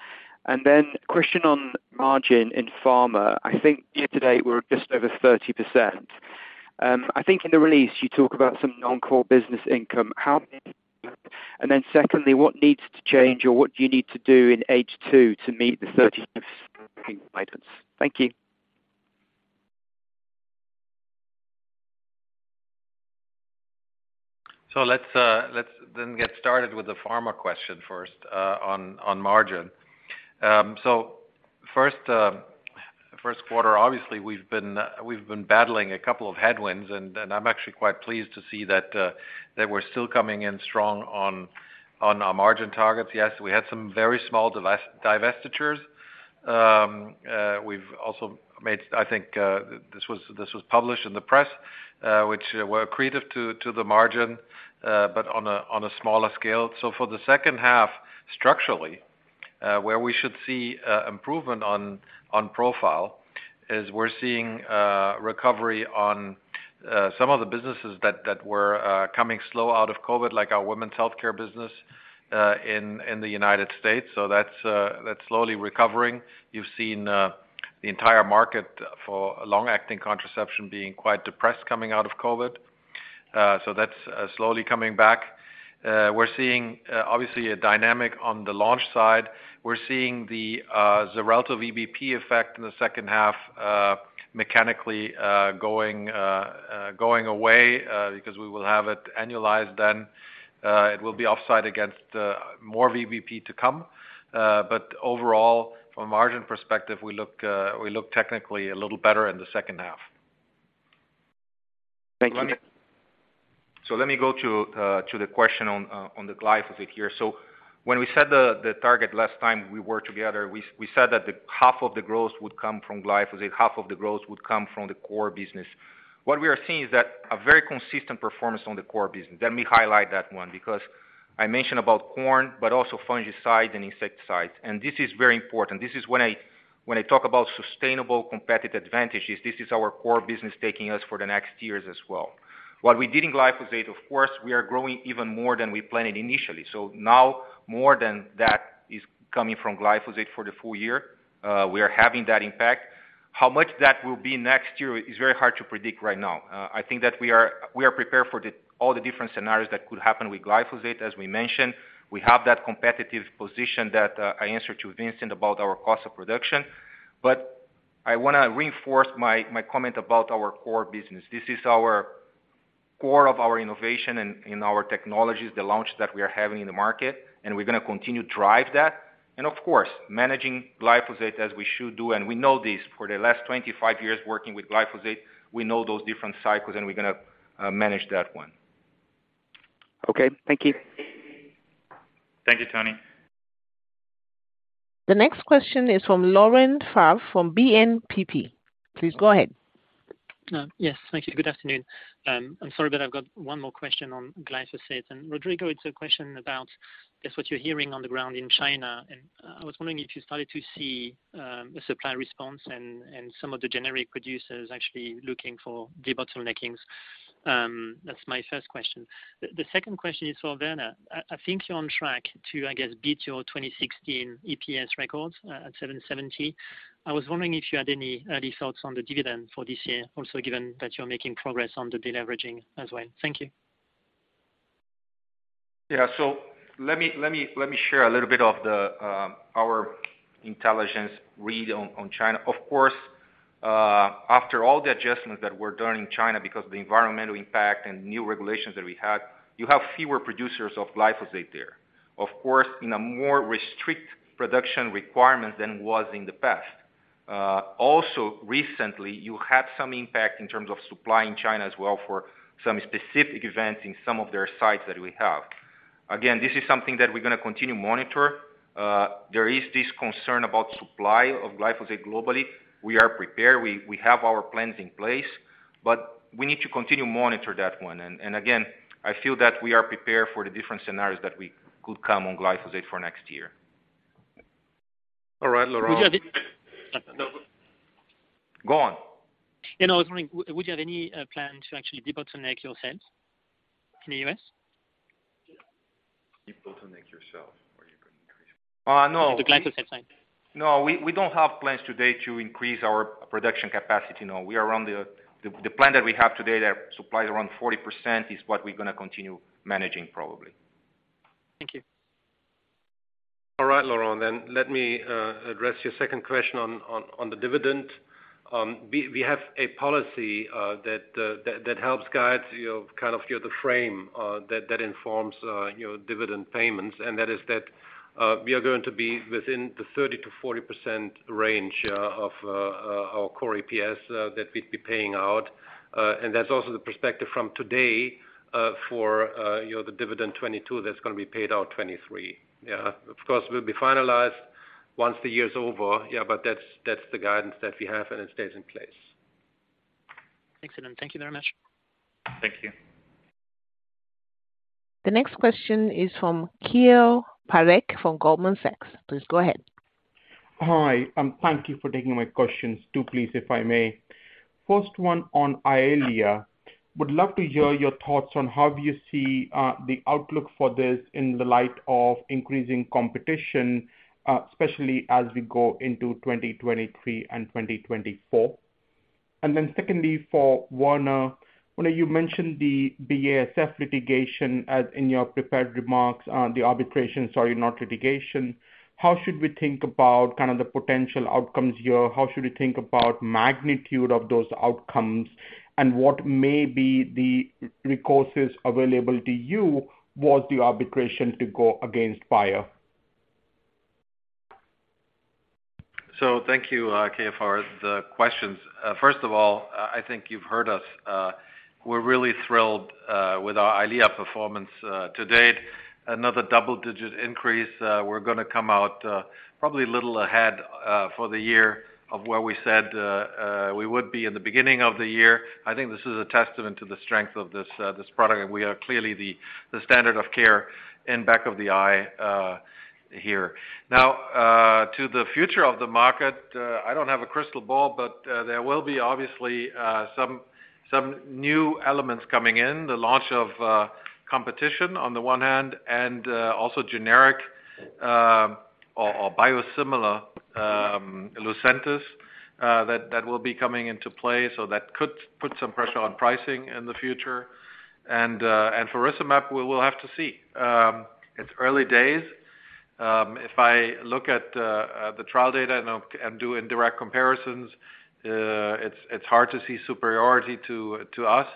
Then question on margin in pharma. I think year to date, we're just over 30%. I think in the release you talk about some non-core business income. How and then secondly, what needs to change or what do you need to do in H2 to meet the 30 guidance? Thank you. Let's get started with the pharma question first, on margin. First quarter, obviously we've been battling a couple of headwinds and I'm actually quite pleased to see that we're still coming in strong on our margin targets. Yes, we had some very small divestitures. We've also made. I think this was published in the press, which were accretive to the margin, but on a smaller scale. For the second half structurally, where we should see improvement on profile is we're seeing recovery on some of the businesses that were coming slow out of COVID, like our women's healthcare business in the United States. That's slowly recovering. You've seen the entire market for long-acting contraception being quite depressed coming out of COVID. That's slowly coming back. We're seeing obviously a dynamic on the launch side. We're seeing the relative VBP effect in the second half, mechanically going away, because we will have it annualized then. It will be offset against more VBP to come. Overall, from a margin perspective, we look technically a little better in the second half. Thank you. Let me go to the question on the glyphosate here. When we set the target last time we were together, we said that half of the growth would come from glyphosate, half of the growth would come from the core business. What we are seeing is a very consistent performance on the core business. Let me highlight that one, because I mentioned about corn, but also fungicides and insecticides. This is very important. This is when I talk about sustainable competitive advantages, this is our core business taking us for the next years as well. What we did in glyphosate, of course, we are growing even more than we planned initially. Now more than that is coming from glyphosate for the full year. We are having that impact. How much that will be next year is very hard to predict right now. I think that we are prepared for all the different scenarios that could happen with glyphosate, as we mentioned. We have that competitive position that I answered to Vincent about our cost of production. I wanna reinforce my comment about our core business. This is our core of our innovation and our technologies, the launch that we are having in the market, and we're gonna continue to drive that. Of course, managing glyphosate as we should do, and we know this, for the last 25 years working with glyphosate, we know those different cycles, and we're gonna manage that one. Okay. Thank you. Thank you, Tony. The next question is from Laurent Favre from BNPP. Please go ahead. Yes. Thank you. Good afternoon. I'm sorry, but I've got one more question on glyphosate. Rodrigo, it's a question about just what you're hearing on the ground in China. I was wondering if you started to see a supply response and some of the generic producers actually looking for debottleneckings. That's my first question. The second question is for Werner. I think you're on track to, I guess, beat your 2016 EPS records at 7.70. I was wondering if you had any early thoughts on the dividend for this year, also given that you're making progress on the deleveraging as well. Thank you. Yeah. Let me share a little bit of our intelligence read on China. Of course, after all the adjustments that were done in China because the environmental impact and new regulations that we had, you have fewer producers of glyphosate there. Of course, in a more strict production requirement than was in the past. Also recently, you had some impact in terms of supply in China as well for some specific events in some of their sites that we have. Again, this is something that we're gonna continue monitor. There is this concern about supply of glyphosate globally. We are prepared. We have our plans in place, but we need to continue monitor that one. Again, I feel that we are prepared for the different scenarios that we could come on glyphosate for next year. All right, Laurent. Would you have any. Go on. Yeah, no, I was wondering, would you have any plans to actually bottleneck yourselves in the U.S.? Debottleneck yourselves or you can increase? No. The glyphosate side. No. We don't have plans today to increase our production capacity. No, we are around the plan that we have today that supplies around 40% is what we're gonna continue managing probably. Thank you. All right, Laurent, Let me address your second question on the dividend. We have a policy that helps guide the framework that informs dividend payments, and that is that we are going to be within the 30%-40% range of our core EPS that we'd be paying out. That's also the perspective from today for the dividend 2022 that's gonna be paid out 2023. Of course, we'll be finalized once the year's over, but that's the guidance that we have, and it stays in place. Excellent. Thank you very much. Thank you. The next question is from Keyur Parekh from Goldman Sachs. Please go ahead. Hi. Thank you for taking my questions too, please, if I may. First one on Eylea. Would love to hear your thoughts on how do you see the outlook for this in the light of increasing competition, especially as we go into 2023 and 2024. Then secondly, for Werner. Werner, you mentioned the BASF litigation, as in your prepared remarks, the arbitration, sorry, not litigation. How should we think about kind of the potential outcomes here? How should we think about magnitude of those outcomes and what may be the recourses available to you was the arbitration to go against Bayer? Thank you, Keyur, for the questions. First of all, I think you've heard us. We're really thrilled with our Eylea performance to date. Another double-digit increase. We're gonna come out probably a little ahead for the year of where we said we would be in the beginning of the year. I think this is a testament to the strength of this product. We are clearly the standard of care in back of the eye here. Now to the future of the market, I don't have a crystal ball, but there will be obviously some new elements coming in, the launch of competition on the one hand and also generic or biosimilar. Lucentis, that will be coming into play, so that could put some pressure on pricing in the future. For Vabysmo we will have to see. It's early days. If I look at the trial data and do indirect comparisons, it's hard to see superiority to us.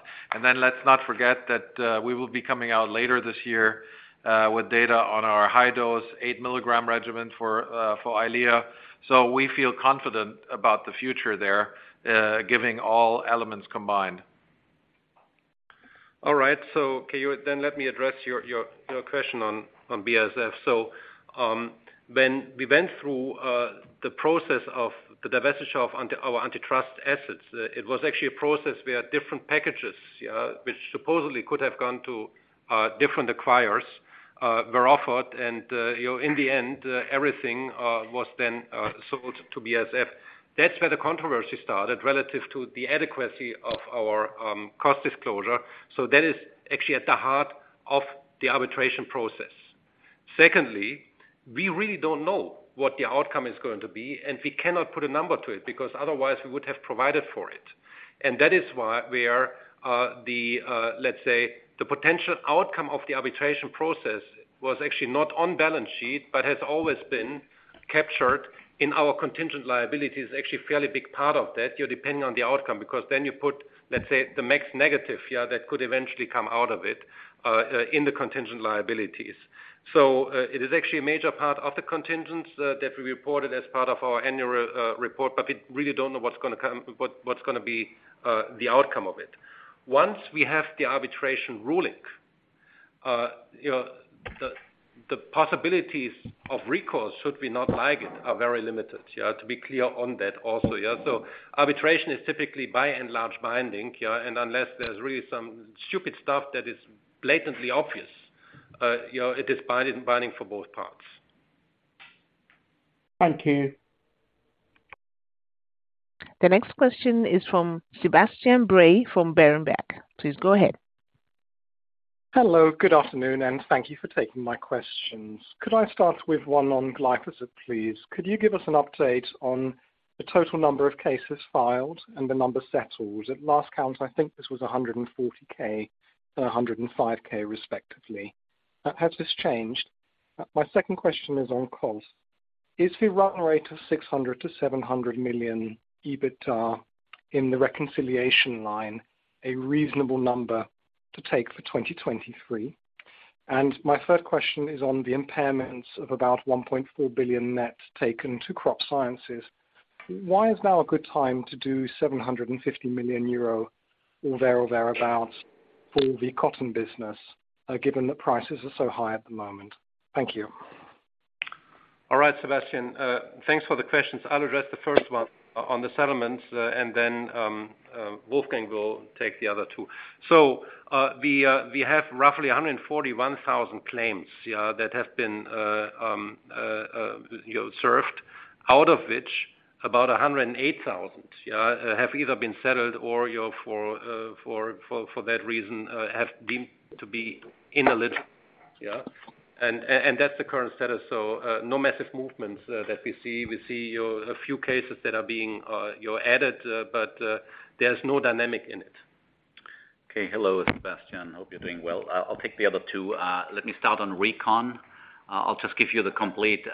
Then let's not forget that we will be coming out later this year with data on our high dose 8 milligram regimen for Eylea. We feel confident about the future there, giving all elements combined. All right. Okay, let me address your question on BASF. When we went through the process of the divestiture of our antitrust assets, it was actually a process where different packages, which supposedly could have gone to different acquirers, were offered. You know, in the end, everything was then sold to BASF. That's where the controversy started relative to the adequacy of our cost disclosure. That is actually at the heart of the arbitration process. Secondly, we really don't know what the outcome is going to be, and we cannot put a number to it because otherwise we would have provided for it. That is why the potential outcome of the arbitration process was actually not on balance sheet, but has always been captured in our contingent liabilities. Actually fairly big part of that, you're depending on the outcome, because then you put, let's say, the max negative that could eventually come out of it in the contingent liabilities. It is actually a major part of the contingents that we reported as part of our annual report, but we really don't know what's gonna be the outcome of it. Once we have the arbitration ruling, you know, the possibilities of recourse should we not like it, are very limited. To be clear on that also. Arbitration is typically by and large binding, yeah, and unless there's really some stupid stuff that is blatantly obvious, you know, it is binding for both parts. Thank you. The next question is from Sebastian Bray from Berenberg. Please go ahead. Hello, good afternoon, and thank you for taking my questions. Could I start with one on glyphosate, please? Could you give us an update on the total number of cases filed and the number settled? At last count, I think this was 140,000 and 105,000 respectively. Has this changed? My second question is on cost. Is the run rate of 600-700 million EBITDA in the Reconciliation line a reasonable number to take for 2023? My third question is on the impairments of about 1.4 billion net taken to Crop Science. Why is now a good time to do 750 million euro or thereabouts for the cotton business, given that prices are so high at the moment? Thank you. All right, Sebastian. Thanks for the questions. I'll address the first one on the settlements, and then Wolfgang will take the other two. We have roughly 141,000 claims, yeah, that have been you know served, out of which about 108,000, yeah, have either been settled or, you know, for that reason, have been deemed to be ineligible. Yeah. That's the current status. No massive movements that we see. We see you know a few cases that are being you know added, but there's no dynamic in it. Okay. Hello, Sebastian. Hope you're doing well. I'll take the other two. Let me start on Reconciliation. I'll just give you the complete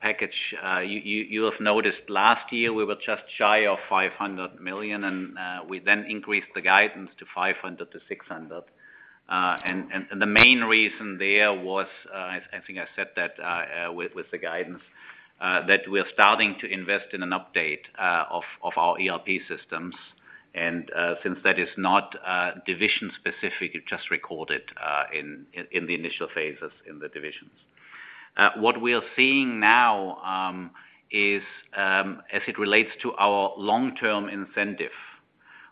package. You have noticed last year we were just shy of 500 million and we then increased the guidance to 500 million-600 million. The main reason there was, I think I said that with the guidance that we are starting to invest in an update of our ERP systems. Since that is not division specific, it's just recorded in the initial phases in the divisions. What we are seeing now is as it relates to our long-term incentive,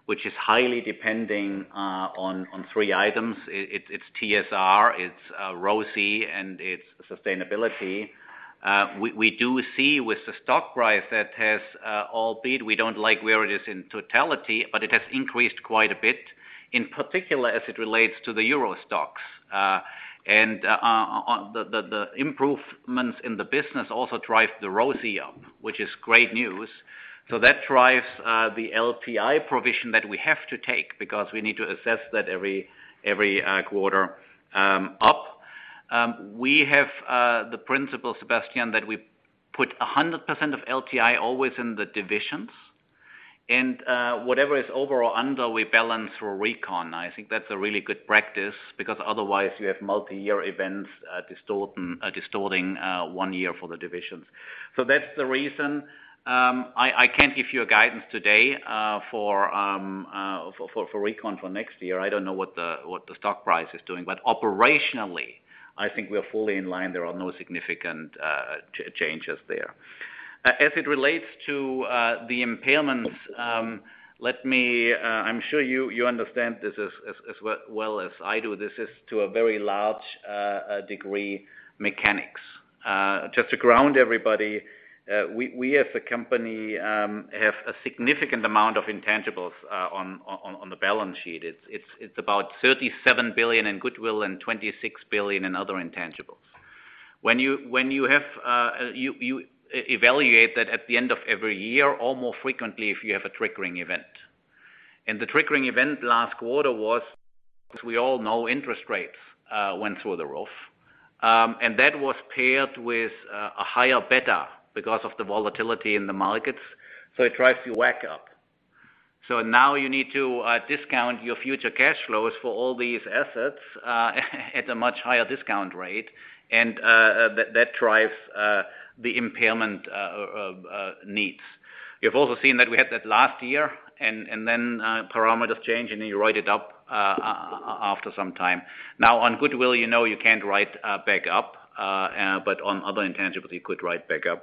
which is highly depending on three items. It's TSR, it's ROCE, and it's sustainability. We do see with the stock price that has, albeit we don't like where it is in totality, but it has increased quite a bit, in particular as it relates to the EURO STOXX. The improvements in the business also drive the ROCE up, which is great news. That drives the LTI provision that we have to take because we need to assess that every quarter up. We have the principle, Sebastian, that we put 100% of LTI always in the divisions. Whatever is over or under, we balance through Reconciliation. I think that's a really good practice because otherwise you have multi-year events distorting one year for the divisions. That's the reason I can't give you a guidance today for Reconciliation for next year. I don't know what the stock price is doing. Operationally, I think we are fully in line. There are no significant changes there. As it relates to the impairments, I'm sure you understand this as well as I do. This is to a very large degree mechanics. Just to ground everybody, we as a company have a significant amount of intangibles on the balance sheet. It's about 37 billion in goodwill and 26 billion in other intangibles. When you evaluate that at the end of every year, or more frequently if you have a triggering event. The triggering event last quarter was, as we all know, interest rates went through the roof. That was paired with a higher beta because of the volatility in the markets. It drives the WACC up. Now you need to discount your future cash flows for all these assets at a much higher discount rate. That drives the impairment on these. You've also seen that we had that last year and then parameters change, and you write it up after some time. Now on goodwill, you know you can't write back up, but on other intangibles you could write back up.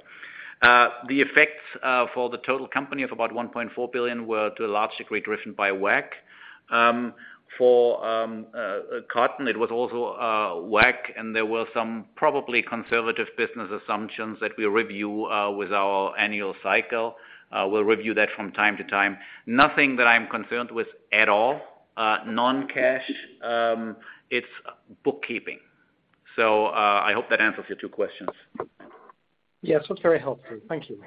The effects for the total company of about 1.4 billion were to a large degree driven by WACC. For cotton, it was also WACC, and there were some probably conservative business assumptions that we review with our annual cycle. We'll review that from time to time. Nothing that I'm concerned with at all. Non-cash, it's bookkeeping. I hope that answers your two questions. Yes. That's very helpful. Thank you.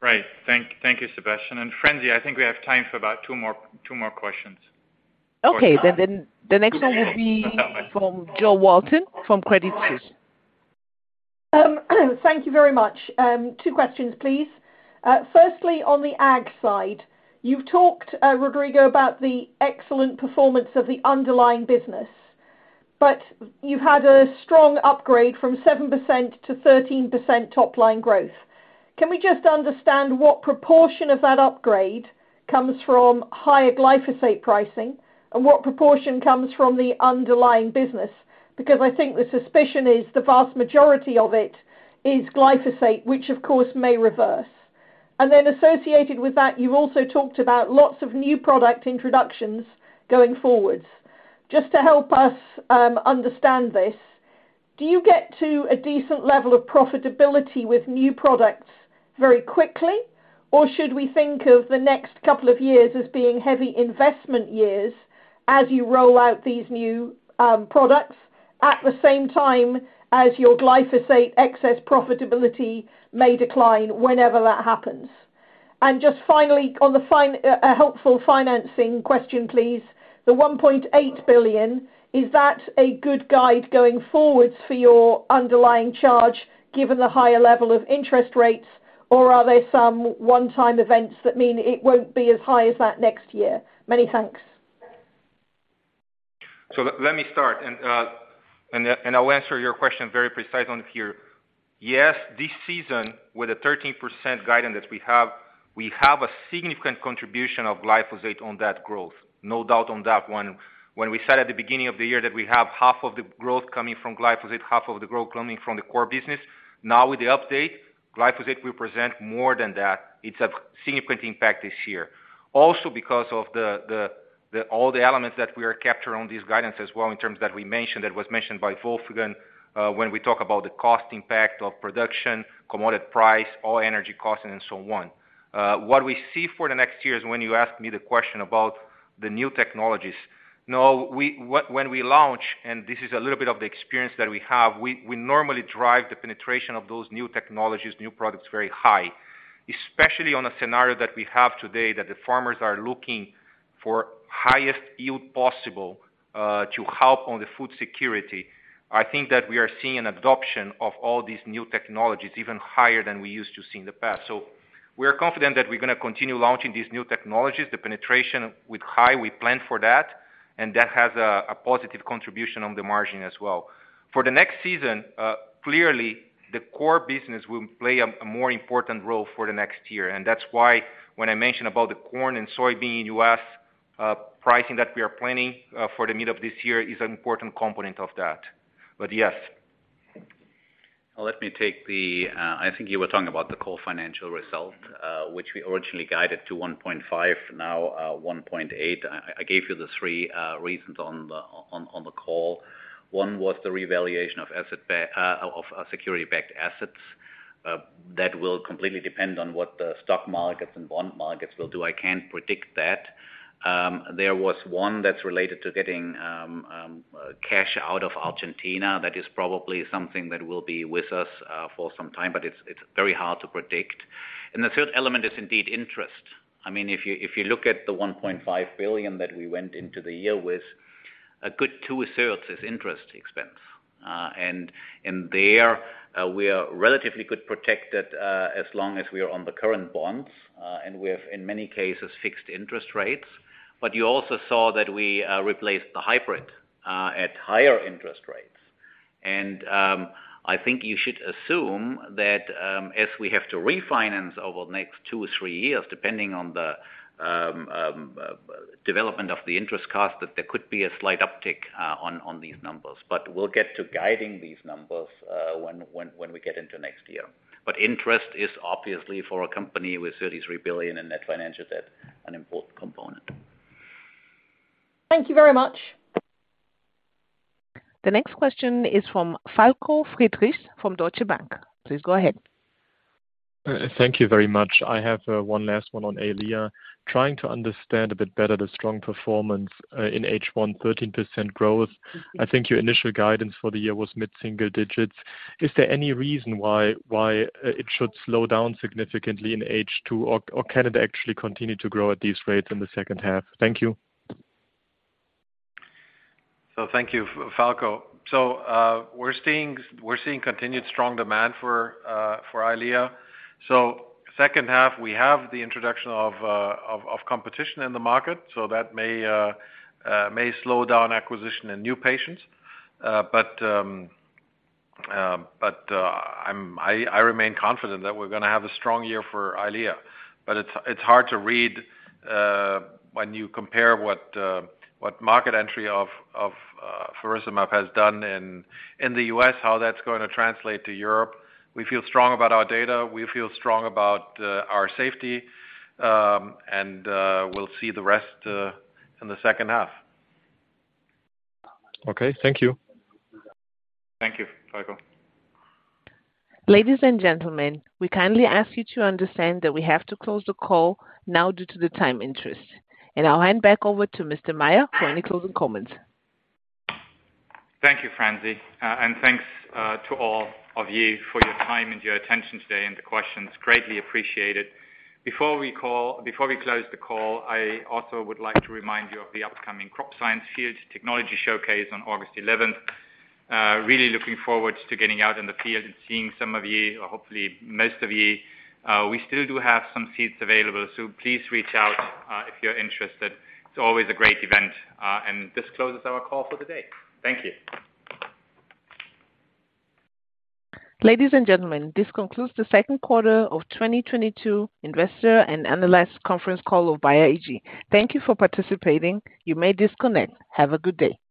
Right. Thank you, Sebastian. Franzi, I think we have time for about two more questions. Okay. The next one will be from Jo Walton from Credit Suisse. Thank you very much. Two questions, please. Firstly, on the ag side, you've talked, Rodrigo, about the excellent performance of the underlying business. You've had a strong upgrade from 7% to 13% top line growth. Can we just understand what proportion of that upgrade comes from higher glyphosate pricing, and what proportion comes from the underlying business? Because I think the suspicion is the vast majority of it is glyphosate, which of course may reverse. Then associated with that, you also talked about lots of new product introductions going forwards. Just to help us understand this, do you get to a decent level of profitability with new products very quickly? Should we think of the next couple of years as being heavy investment years as you roll out these new products at the same time as your glyphosate excess profitability may decline whenever that happens? Just finally, on a helpful financing question, please. The 1.8 billion, is that a good guide going forward for your underlying charge, given the higher level of interest rates, or are there some one-time events that mean it won't be as high as that next year? Many thanks. Let me start. I'll answer your question very precisely on here. Yes, this season, with the 13% guidance that we have, we have a significant contribution of glyphosate on that growth. No doubt on that one. When we said at the beginning of the year that we have half of the growth coming from glyphosate, half of the growth coming from the core business, now with the update, glyphosate will present more than that. It's a significant impact this year. Also, because of all the elements that we are capturing on this guidance as well in terms that we mentioned, that was mentioned by Wolfgang, when we talk about the cost impact of production, commodity price, oil energy costs and so on. What we see for the next year is when you ask me the question about the new technologies. Now, when we launch, and this is a little bit of the experience that we have, we normally drive the penetration of those new technologies, new products very high, especially on a scenario that we have today that the farmers are looking for highest yield possible, to help on the food security. I think that we are seeing an adoption of all these new technologies even higher than we used to see in the past. We are confident that we're gonna continue launching these new technologies, the penetration with high, we plan for that, and that has a positive contribution on the margin as well. For the next season, clearly, the core business will play a more important role for the next year. That's why when I mention about the corn and soybean in U.S., pricing that we are planning for the middle of this year is an important component of that. Yes. Let me take the. I think you were talking about the core financial result, which we originally guided to 1.5, now 1.8. I gave you the three reasons on the call. One was the revaluation of security-backed assets. That will completely depend on what the stock markets and bond markets will do. I can't predict that. There was one that's related to getting cash out of Argentina. That is probably something that will be with us for some time, but it's very hard to predict. The third element is indeed interest. I mean, if you look at the 1.5 billion that we went into the year with, a good 2/3 is interest expense. There we are relatively well protected as long as we are on the current bonds and we have, in many cases, fixed interest rates. You also saw that we replaced the hybrid at higher interest rates. I think you should assume that as we have to refinance over the next two or three years, depending on the development of the interest cost, that there could be a slight uptick on these numbers. We'll get to guiding these numbers when we get into next year. Interest is obviously for a company with 33 billion in net financial debt, an important component. Thank you very much. The next question is from Falko Friedrichs from Deutsche Bank. Please go ahead. Thank you very much. I have one last one on Eylea. Trying to understand a bit better the strong performance in H1 13% growth. I think your initial guidance for the year was mid-single digits. Is there any reason why it should slow down significantly in H2, or can it actually continue to grow at these rates in the second half? Thank you. Thank you, Falko Friedrichs. We're seeing continued strong demand for Eylea. Second half, we have the introduction of competition in the market, so that may slow down acquisition in new patients. But I remain confident that we're gonna have a strong year for Eylea. It's hard to read when you compare what market entry of faricimab has done in the U.S., how that's gonna translate to Europe. We feel strong about our data. We feel strong about our safety. And we'll see the rest in the second half. Okay. Thank you. Thank you, Falko. Ladies and gentlemen, we kindly ask you to understand that we have to close the call now due to the time constraints. I'll hand back over to Mr. Maier for any closing comments. Thank you, Franzi. And thanks to all of you for your time and your attention today and the questions. Greatly appreciated. Before we close the call, I also would like to remind you of the upcoming Crop Science Field Technology Showcase on August 11th. Really looking forward to getting out in the field and seeing some of you, or hopefully most of you. We still do have some seats available, so please reach out if you're interested. It's always a great event. This closes our call for today. Thank you. Ladies and gentlemen, this concludes the second quarter of 2022 investor and analyst conference call of Bayer AG. Thank you for participating. You may disconnect. Have a good day.